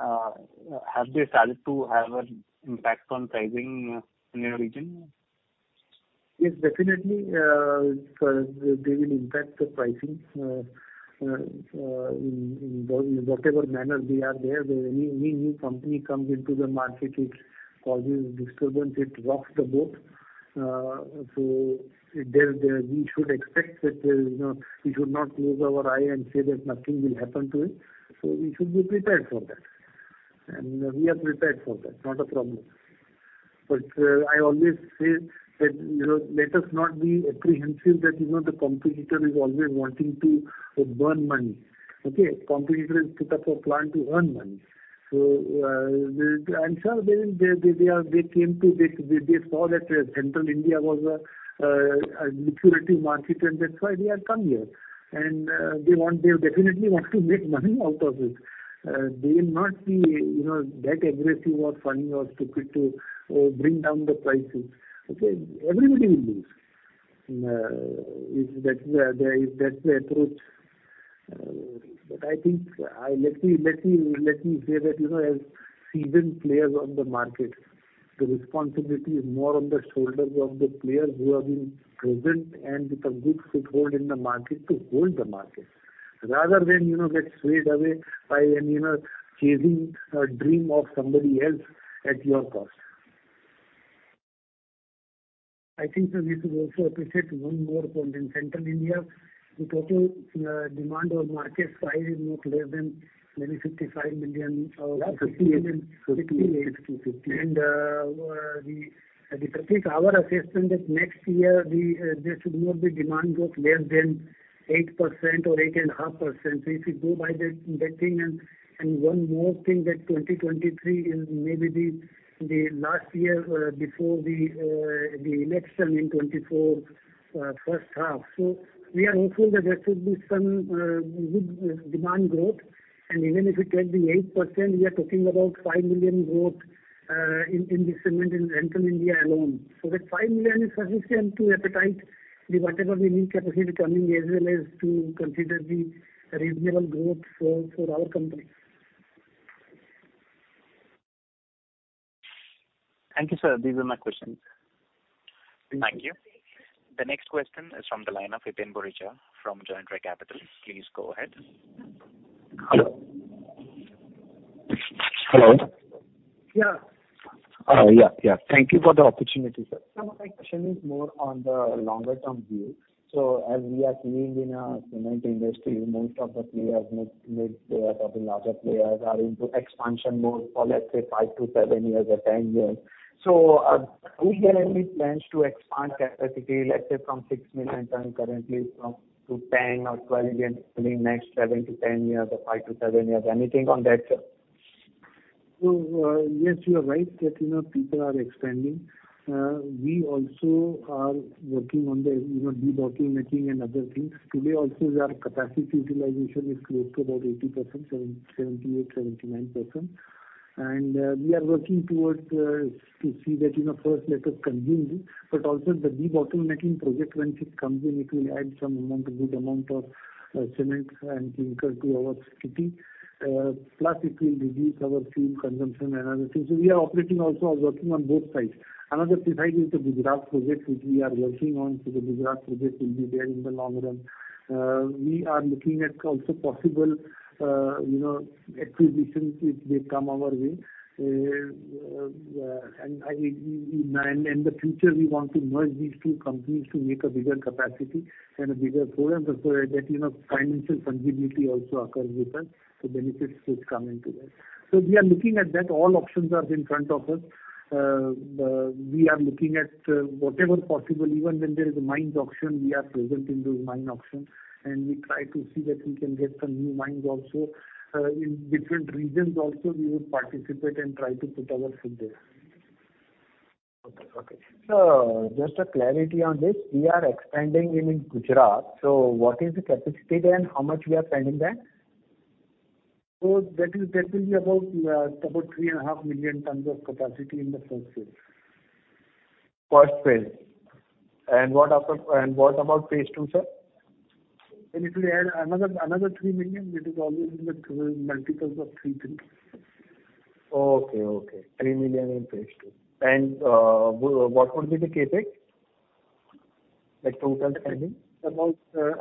[SPEAKER 8] Have they started to have an impact on pricing in your region?
[SPEAKER 3] Yes, definitely. They will impact the pricing in whatever manner they are there. Any new company comes into the market, it causes disturbance, it rocks the boat. We should expect that we should not close our eyes and say that nothing will happen to it. We should be prepared for that. We are prepared for that, not a problem. But I always say that let us not be apprehensive that the competitor is always wanting to burn money, okay? Competitors put up a plan to earn money. So I'm sure they came to, they saw that Central India was a lucrative market, and that's why they have come here. And they definitely want to make money out of it. They will not be that aggressive or funny or stupid to bring down the prices, okay? Everybody will lose if that's the approach. But I think let me say that as seasoned players on the market, the responsibility is more on the shoulders of the players who have been present and with a good foothold in the market to hold the market rather than get swayed away by chasing a dream of somebody else at your cost. I think, sir, we should also appreciate one more point in Central India. The total demand or market size is not less than maybe 55 million or 60 million. 50, 50, 50, 50. And the particular our assessment that next year, there should not be demand growth less than 8% or 8.5%. So if you go by that thing and one more thing that 2023 is maybe the last year before the election in 2024 first half. So we are hopeful that there should be some good demand growth. And even if we take the 8%, we are talking about 5 million growth in the cement in Central India alone. So that 5 million is sufficient to appetite the whatever we need capacity coming as well as to consider the reasonable growth for our company.
[SPEAKER 8] Thank you, sir. These are my questions.
[SPEAKER 1] Thank you. The next question is from the line of Hiten Boricha from Joindre Capital. Please go ahead.
[SPEAKER 9] Hello? Hello?
[SPEAKER 3] Yeah.
[SPEAKER 9] Oh, yeah, yeah. Thank you for the opportunity, sir. So my question is more on the longer-term view. So as we are seeing in the cement industry, most of the players mid to larger players are into expansion more for, let's say, five to seven years or 10 years. So do we have any plans to expand capacity, let's say, from 6 million currently to 10 or 12 million next seven to 10 years or five to seven years? Anything on that, sir?
[SPEAKER 3] So yes, you are right that people are expanding. We also are working on the de-bottlenecking and other things. Today, also, our capacity utilization is close to about 80%, 78% to 79%. And we are working towards to see that first, let us consume. But also, the de-bottlenecking project, once it comes in, it will add some good amount of cement and clinker to our capacity. Plus, it will reduce our fuel consumption and other things. So we are operating also working on both sides. Another side is the Gujarat project, which we are working on. So the Gujarat project will be there in the long run. We are looking at also possible acquisitions if they come our way. And in the future, we want to merge these two companies to make a bigger capacity and a bigger program so that financial fungibility also occurs with us. So benefits will come into that. So we are looking at that. All options are in front of us. We are looking at whatever possible. Even when there is a mines auction, we are present in those mine auctions. We try to see that we can get some new mines also in different regions. Also, we would participate and try to put our foot there. Okay, okay. So just a clarity on this. We are expanding in Gujarat. So what is the capacity there and how much we are spending there? So that will be about 3.5 million tons of capacity in the first phase.
[SPEAKER 9] First phase. And what about phase two, sir?
[SPEAKER 3] And if we add another 3 million, it is always in the multiples of 3, 3. Okay, okay. 3 million in phase two.
[SPEAKER 9] And what would be the CapEx, total spending?
[SPEAKER 3] About 200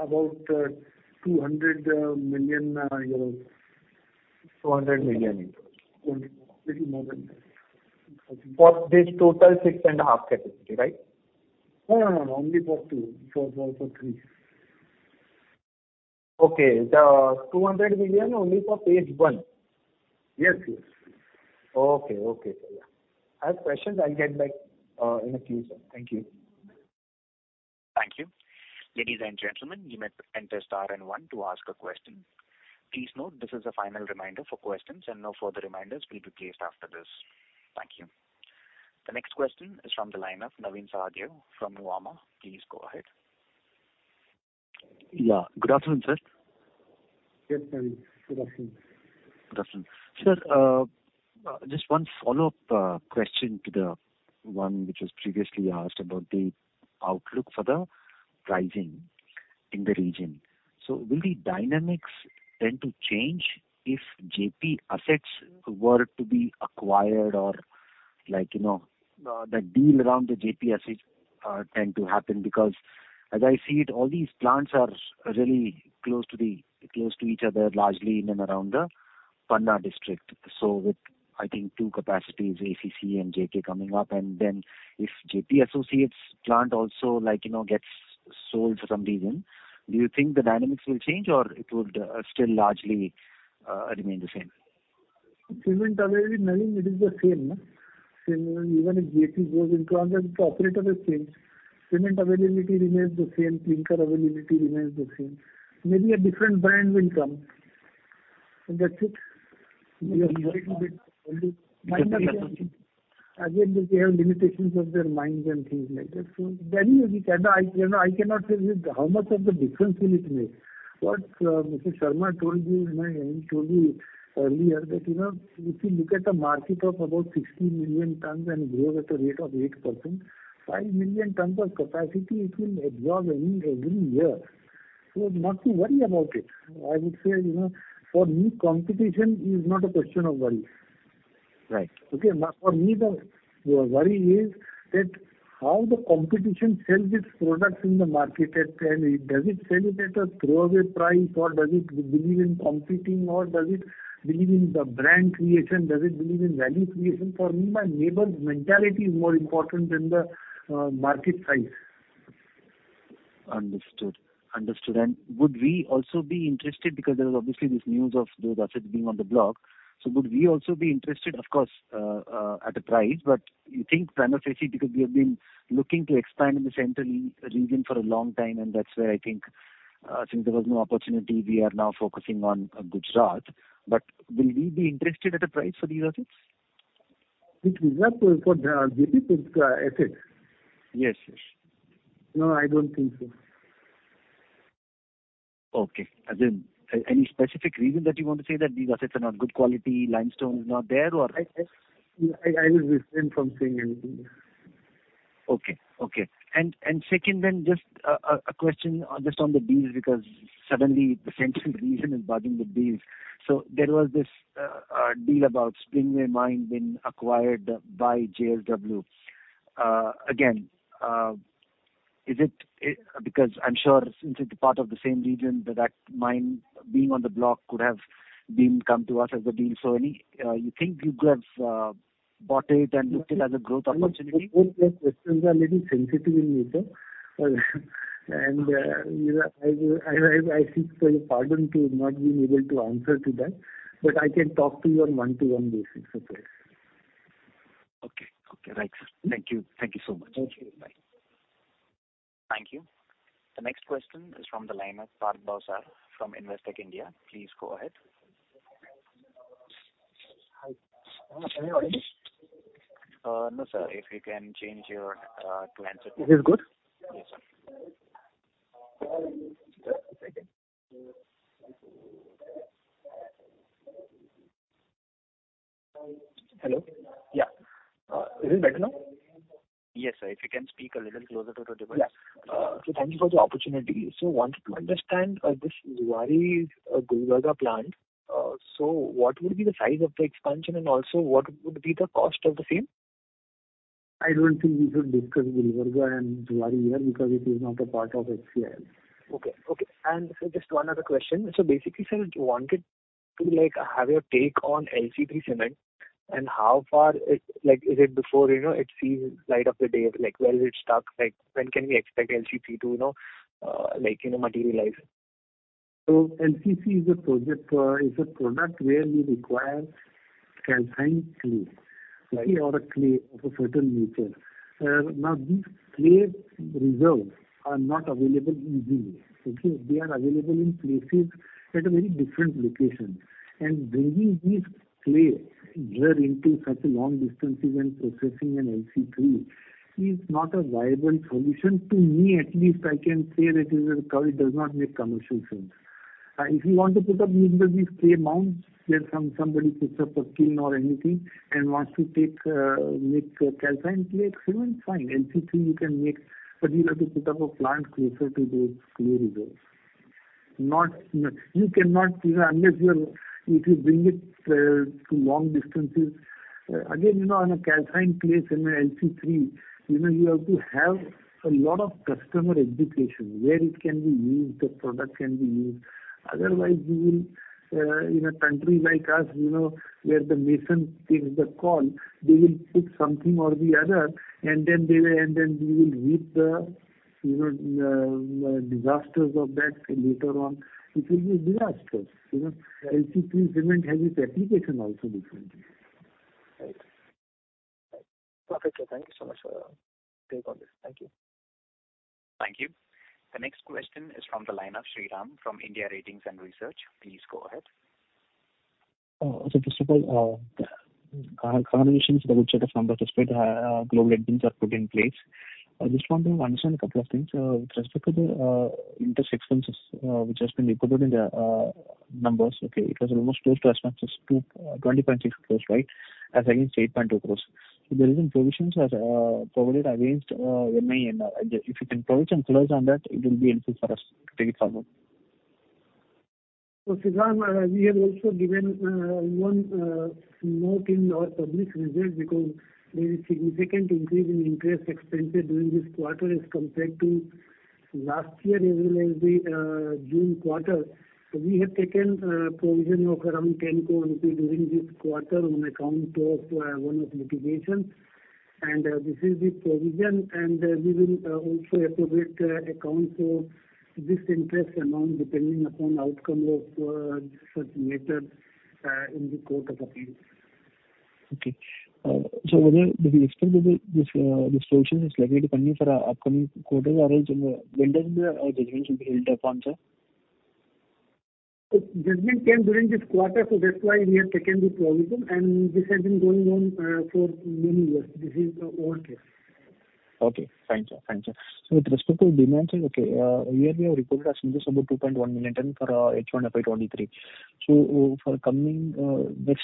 [SPEAKER 3] million euros. 200 million. 200 million. A little more than that.
[SPEAKER 9] For this total 6.5 capacity, right?
[SPEAKER 3] No, no, no. Only for two, for three.
[SPEAKER 9] Okay. 200 million only for phase one?
[SPEAKER 3] Yes, yes. Okay, okay, sir. Yeah. I have questions. I'll get back in a few, sir. Thank you.
[SPEAKER 1] Thank you. Ladies and gentlemen, you may enter star and one to ask a question. Please note, this is a final reminder for questions, and no further reminders will be placed after this. Thank you. The next question is from the line of Navin Sahadeo from Nuvama. Please go ahead.
[SPEAKER 10] Yeah. Good afternoon, sir. Yes, Navin. Good afternoon. Good afternoon. Sir, just one follow-up question to the one which was previously asked about the outlook for the pricing in the region. So will the dynamics tend to change if JP assets were to be acquired or the deal around the JP assets tend to happen? Because as I see it, all these plants are really close to each other, largely in and around the Panna district. So with, I think, two capacities, ACC and JK coming up, and then if JP Associates plant also gets sold for some reason, do you think the dynamics will change or it would still largely remain the same?
[SPEAKER 3] Cement availability, Navin, it is the same, no? Even if JP goes, the operator has changed. Cement availability remains the same. Clinker availability remains the same. Maybe a different brand will come. And that's it. Just a little bit. Again, because they have limitations of their mines and things like that. So anyway, I cannot say how much of the difference will it make. What Mr. Sharma told you, he told you earlier that if you look at a market of about 60 million tons and grow at a rate of 8%, 5 million tons of capacity, it will absorb every year. So not to worry about it. I would say for me, competition is not a question of worry. Okay? For me, the worry is that how the competition sells its products in the market, and does it sell it at a throwaway price or does it believe in competing or does it believe in the brand creation? Does it believe in value creation? For me, my neighbor's mentality is more important than the market size.
[SPEAKER 10] Understood, understood. And would we also be interested because there was obviously this news of those assets being on the block. So would we also be interested, of course, at a price? But you think primarily because we have been looking to expand in the central region for a long time, and that's where I think since there was no opportunity, we are now focusing on Gujarat. But will we be interested at a price for these assets?
[SPEAKER 3] With Gujarat? For JP Assets?
[SPEAKER 10] Yes, yes.
[SPEAKER 3] No, I don't think so.
[SPEAKER 10] Okay. Again, any specific reason that you want to say that these assets are not good quality? Limestone is not there or?
[SPEAKER 3] I would refrain from saying anything else.
[SPEAKER 10] Okay, okay. And second then, just a question just on the deals because suddenly the central region is bargaining with deals. So there was this deal about Springway Mining being acquired by JSW. Again, is it because I'm sure since it's part of the same region, that mine being on the block could have come to us as a deal. So you think you could have bought it and looked at as a growth opportunity?
[SPEAKER 3] Your questions are a little sensitive in nature. And I seek for your pardon to not being able to answer to that. But I can talk to you on one-to-one basis, of course.
[SPEAKER 10] Okay, okay. Right, sir. Thank you. Thank you so much.
[SPEAKER 3] Thank you. Bye.
[SPEAKER 1] Thank you. The next question is from the line of Parth Bhavsar from Investec India. Please go ahead.
[SPEAKER 3] Hi. Can I hear you?
[SPEAKER 11] No, sir. If you can change your to answer to.
[SPEAKER 3] Is this good?
[SPEAKER 11] Yes, sir. Just a second.
[SPEAKER 3] Hello?
[SPEAKER 4] Yeah.
[SPEAKER 3] Is this better now?
[SPEAKER 11] Yes, sir. If you can speak a little closer to the device. Yes. So thank you for the opportunity. So wanted to understand, this is Zuari Gulbarga plant. So what would be the size of the expansion and also what would be the cost of the same? I don't think we should discuss Gulbarga and Zuari here because it is not a part of HCIL. Okay, okay. And sir, just one other question. So basically, sir, wanted to have your take on LC3 cement and how far is it before it sees light of the day? Where is it stuck? When can we expect LC3 to materialize?
[SPEAKER 3] So LC3 is a product where you require calcined clay or a clay of a certain nature. Now, these clay reserves are not available easily, okay? They are available in places at a very different location. And bringing this clay here into such long distances and processing in LC3 is not a viable solution. To me, at least, I can say that it does not make commercial sense. If you want to put up these clay mounds where somebody puts up a kiln or anything and wants to make calcined clay, cement, fine. LC3, you can make, but you have to put up a plant closer to those clay reserves. You cannot unless you bring it to long distances. Again, in a clinker plant and an LC3, you have to have a lot of customer education where it can be used, the product can be used. Otherwise, you will in a country like us where the mason takes the call, they will put something or the other, and then you will reap the disasters of that later on. It will be a disaster. LC3 cement has its application also differently.
[SPEAKER 11] Right, right. Perfect, sir. Thank you so much for your take on this. Thank you.
[SPEAKER 1] Thank you. The next question is from the line of Sriram from India Ratings and Research. Please go ahead.
[SPEAKER 12] So first of all, congratulations with a good set of numbers is good. Good ratings are put in place. I just want to understand a couple of things. With respect to the interest expenses which has been reported in the numbers, okay, it was almost close to as much as 20.6 crores, right? As against 8.2 crores. So there isn't provisions provided against interest. If you can provide some colors on that, it will be helpful for us to take it further.
[SPEAKER 3] So Sriram, we have also given one note in our public results because there is significant increase in interest expenses during this quarter as compared to last year as well as the June quarter. So we have taken provision of around 10 crore rupees during this quarter on account of one of litigations. And this is the provision. And we will also appropriate account for this interest amount depending upon outcome of such matters in the court of appeals.
[SPEAKER 12] Okay. So whether do we expect that this provision is likely to continue for upcoming quarters or else in the. When does the judgment be held upon, sir?
[SPEAKER 3] Judgment came during this quarter. So that's why we have taken the provision. And this has been going on for many years. This is our case.
[SPEAKER 12] Okay. Thank you, thank you. So with respect to demand, sir, okay, here we have reported as much as about 2.1 million tons for H1 FY23. So for coming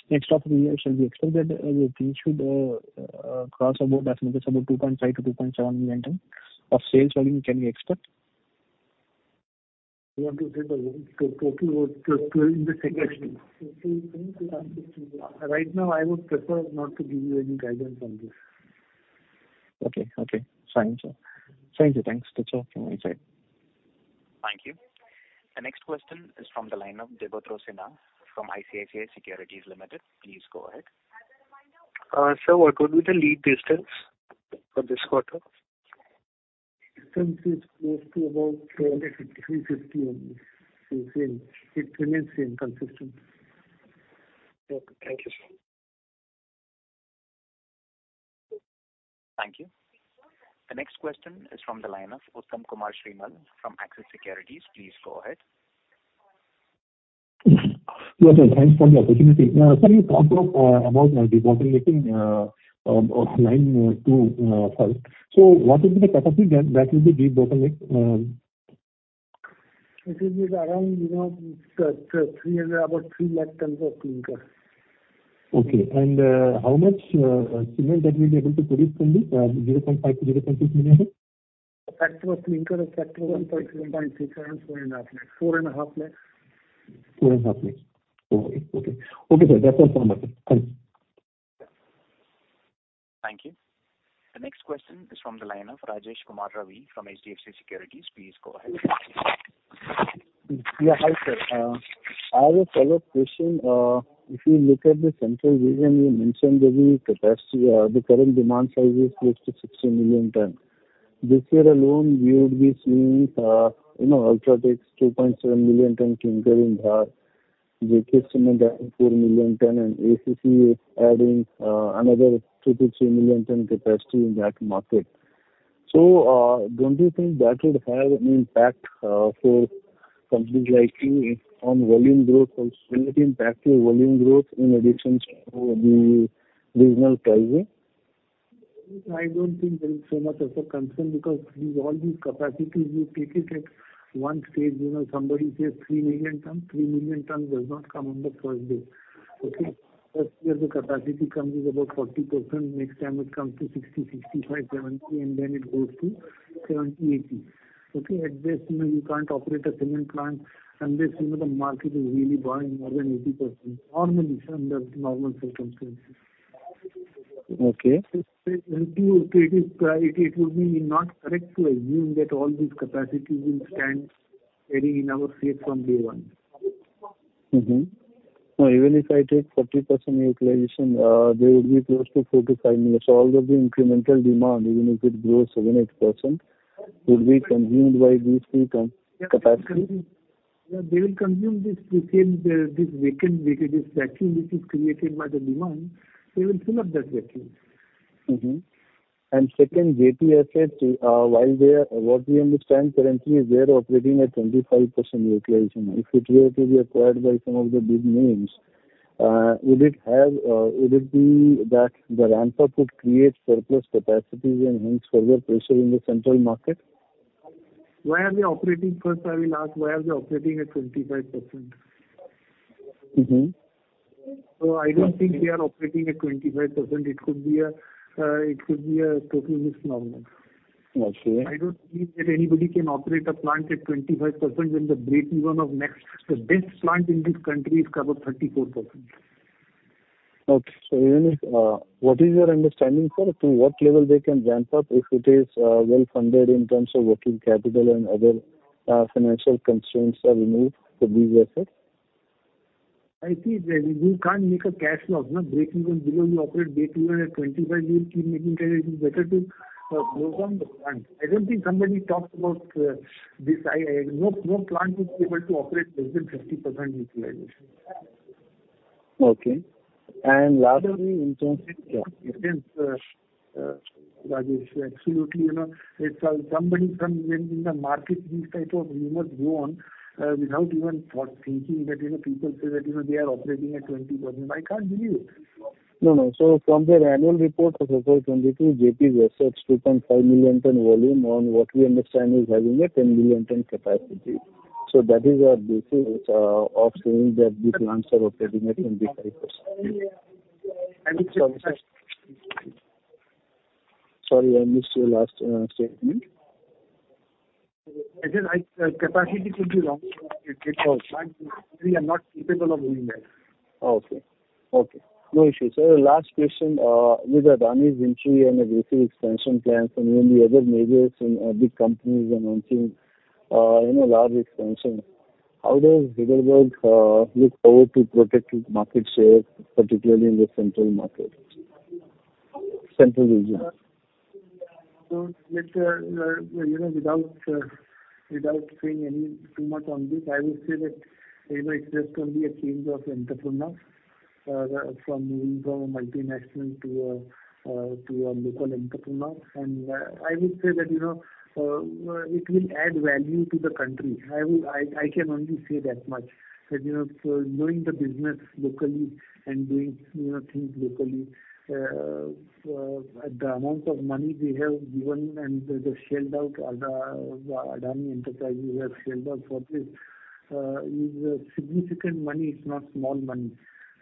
[SPEAKER 12] next half of the year, shall we expect that things should cross about as much as about 2.5 to 2.7 million tons of sales volume can we expect?
[SPEAKER 3] You want to say the total in the second question? Right now, I would prefer not to give you any guidance on this.
[SPEAKER 12] Okay, okay. Thanks, sir. Thanks, sir. Thanks. That's all from my side.
[SPEAKER 1] Thank you. The next question is from the line of Debath Rosinna from ICICI Securities Limited. Please go ahead.
[SPEAKER 12] Sir, what would be the lead distance for this quarter?
[SPEAKER 3] Distance is close to about 350. 350 only. Same. It remains same, consistent.
[SPEAKER 13] Okay. Thank you, sir.
[SPEAKER 1] Thank you. The next question is from the line of Uttam Kumar Srimal from Axis Securities. Please go ahead.
[SPEAKER 14] Yes, sir. Thanks for the opportunity. Sir, you talked about de-bottlenecking line two first. So what would be the capacity that will be de-bottlenecked? It will be around about 300,000 tons of clinker. Okay. And how much cement that will be able to produce from this? 0.5 to 0.6 million?
[SPEAKER 3] Factor of clinker is factor of 1.6. 1.6 around 450,000.
[SPEAKER 14] 450,000. 450,000. Okay, okay. Okay, sir. That's all from us. Thanks.
[SPEAKER 1] Thank you. The next question is from the line of Rajesh Kumar Ravi from HDFC Securities. Please go ahead.
[SPEAKER 4] Yeah. Hi, sir. I have a follow-up question. If you look at the central region, you mentioned that the current demand size is close to 60 million tons. This year alone, we would be seeing UltraTech 2.7 million ton clinker in Bihar, JK Cement adding 4 million ton, and ACC adding another 2 to 3 million ton capacity in that market. So don't you think that would have an impact for companies like you on volume growth? Will it impact your volume growth in addition to the regional pricing?
[SPEAKER 3] I don't think there is so much of a concern because with all these capacities, you take it at one stage. Somebody says 3 million tons. 3 million tons does not come on the first day. Okay? First year, the capacity comes is about 40%. Next time, it comes to 60%, 65%, 70%, and then it goes to 70% to 80%. Okay? At best, you can't operate a cement plant unless the market is really buying more than 80% normally under normal circumstances.
[SPEAKER 4] Okay.
[SPEAKER 3] It would be not correct to assume that all these capacities will stand carrying in our safe from day one. No. Even if I take 40% utilization, there would be close to 4-5 million. So all of the incremental demand, even if it grows 7% to 8%, would be consumed by these three capacities. Yeah. They will consume this vacuum which is created by the demand. They will fill up that vacuum.
[SPEAKER 4] And second, JP Assets, what we understand currently, they are operating at 25% utilization. If it were to be acquired by some of the big names, would it be that the RAMFA could create surplus capacities and hence further pressure in the central market?
[SPEAKER 3] Why are they operating first? I will ask. Why are they operating at 25%? So I don't think they are operating at 25%. It could be a total misnomer. I don't believe that anybody can operate a plant at 25% when the break-even of the best plant in this country is covered 34%.
[SPEAKER 4] Okay. So what is your understanding, sir, to what level they can ramp up if it is well-funded in terms of working capital and other financial constraints are removed for these assets?
[SPEAKER 3] I think you can't make a cash loss. Break-even below you operate day two and at 25, you will keep making cash loss. It is better to close down the plant. I don't think somebody talks about this. No plant would be able to operate less than 50% utilization.
[SPEAKER 4] Okay. And lastly, in terms of. Yes, sir.
[SPEAKER 3] Absolutely. Somebody in the market, these type of rumors go on without even thinking that people say that they are operating at 20%. I can't believe it. No, no. So from their annual report of April 2022, JP's assets 2.5 million tons volume on what we understand is having a 10 million tons capacity. So that is our basis of saying that the plants are operating at 25%.
[SPEAKER 4] Sorry, I missed your last statement.
[SPEAKER 3] I said capacity could be long. They are not capable of doing that.
[SPEAKER 4] Okay, okay. No issue, sir. Last question. With Adani's entry and aggressive expansion plans and even the other majors and big companies announcing large expansions, how does Heidelberg look forward to protecting market share, particularly in the central region?
[SPEAKER 3] Without saying too much on this, I would say that it's just only a change of entrepreneurs from moving from a multinational to a local entrepreneur. And I would say that it will add value to the country. I can only say that much. So knowing the business locally and doing things locally, the amount of money they have given and the shelled out Adani Enterprises have shelled out for this is significant money. It's not small money.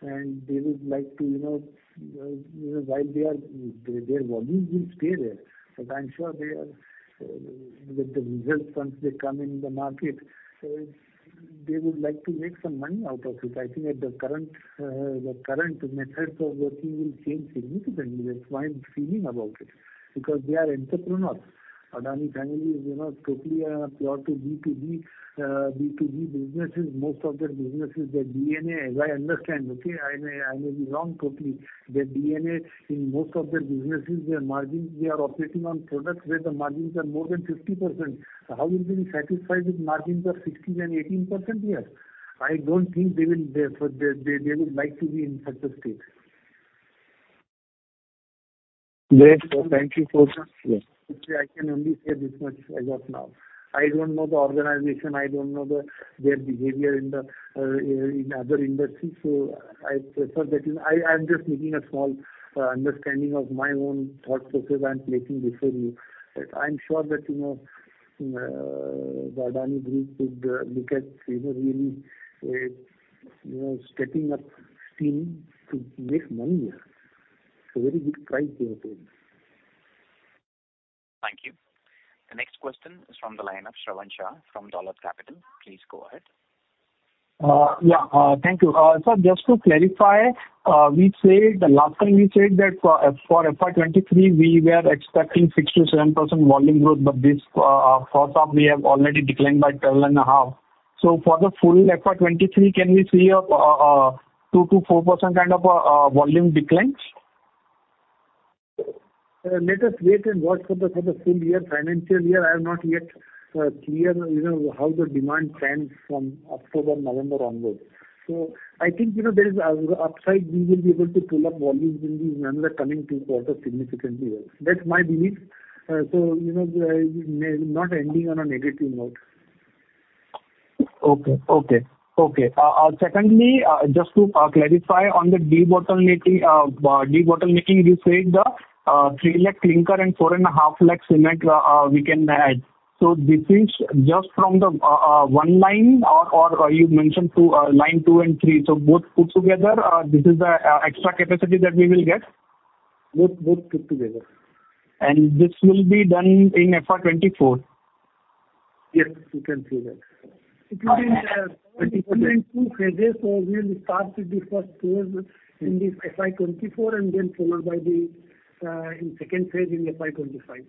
[SPEAKER 3] And they would like to while they are their volume will stay there. But I'm sure with the results once they come in the market, they would like to make some money out of it. I think the current methods of working will change significantly. That's my feeling about it because they are entrepreneurs. Adani family is totally pure to B2B. B2B businesses, most of their businesses, their DNA, as I understand, okay? I may be wrong totally. Their DNA in most of their businesses, their margins, they are operating on products where the margins are more than 50%. How will they be satisfied with margins of 16% and 18% here? I don't think they would like to be in such a state.
[SPEAKER 4] Great. Thank you for yeah.
[SPEAKER 3] I can only say this much as of now. I don't know the organization. I don't know their behavior in other industries. So I prefer that I'm just making a small understanding of my own thought process I'm placing before you. I'm sure that the Adani Group could look at really stepping up steam to make money here. It's a very good price they are paying.
[SPEAKER 1] Thank you. The next question is from the line of Shravan Shah from Dolat Capital. Please go ahead.
[SPEAKER 15] Yeah. Thank you. Sir, just to clarify, last time we said that for FY23, we were expecting 6% to 7% volume growth, but this first half, we have already declined by 12.5%. So for the full FY23, can we see a 2% to 4% kind of volume decline?
[SPEAKER 3] Let us wait and watch for the full year. Financial year, I am not yet clear how the demand stands from October, November onwards. So I think there is upside. We will be able to pull up volumes in these coming two quarters significantly. That's my belief. So not ending on a negative note.
[SPEAKER 15] Okay. Secondly, just to clarify on the de-bottlenecking, you said the 300,000 clinker and 450,000 cement we can add. So this is just from the one line or you mentioned line 2 and 3. So both put together, this is the extra capacity that we will get? Both put together. And this will be done in FY24?
[SPEAKER 3] Yes. You can see that. It will be in two phases. So we will start with the first phase in this FY24 and then followed by the second phase in FY25.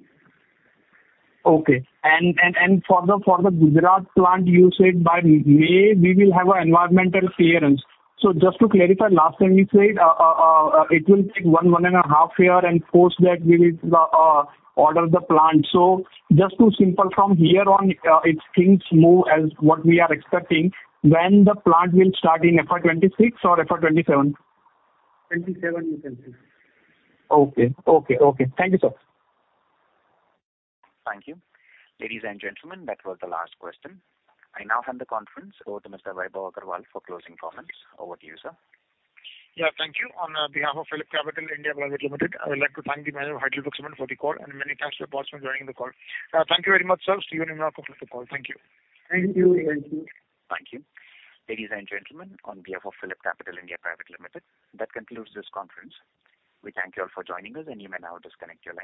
[SPEAKER 3] Okay. And for the Gujarat plant, you said by May, we will have an environmental clearance. So just to clarify, last time you said it will take one to 1.5 years from that we will order the plant. So just to simplify from here on, if things move as what we are expecting, when the plant will start in FY26 or FY27? 27, you can see.
[SPEAKER 15] Okay, okay, okay. Thank you, sir.
[SPEAKER 1] Thank you. Ladies and gentlemen, that was the last question. I now hand the conference over to Mr. Vaibhav Agarwal for closing comments. Over to you, sir.
[SPEAKER 2] Yeah. Thank you. On behalf of PhillipCapital (India) Private Limited, I would like to thank the management of HeidelbergCement for the call. And many thanks to the participants for joining the call. Thank you very much, sir. See you in a minute after the call. Thank you.
[SPEAKER 3] Thank you. Thank you.
[SPEAKER 2] Thank you. Ladies and gentlemen, on behalf of PhillipCapital (India) Private Limited, that concludes this conference. We thank you all for joining us, and you may now disconnect your line.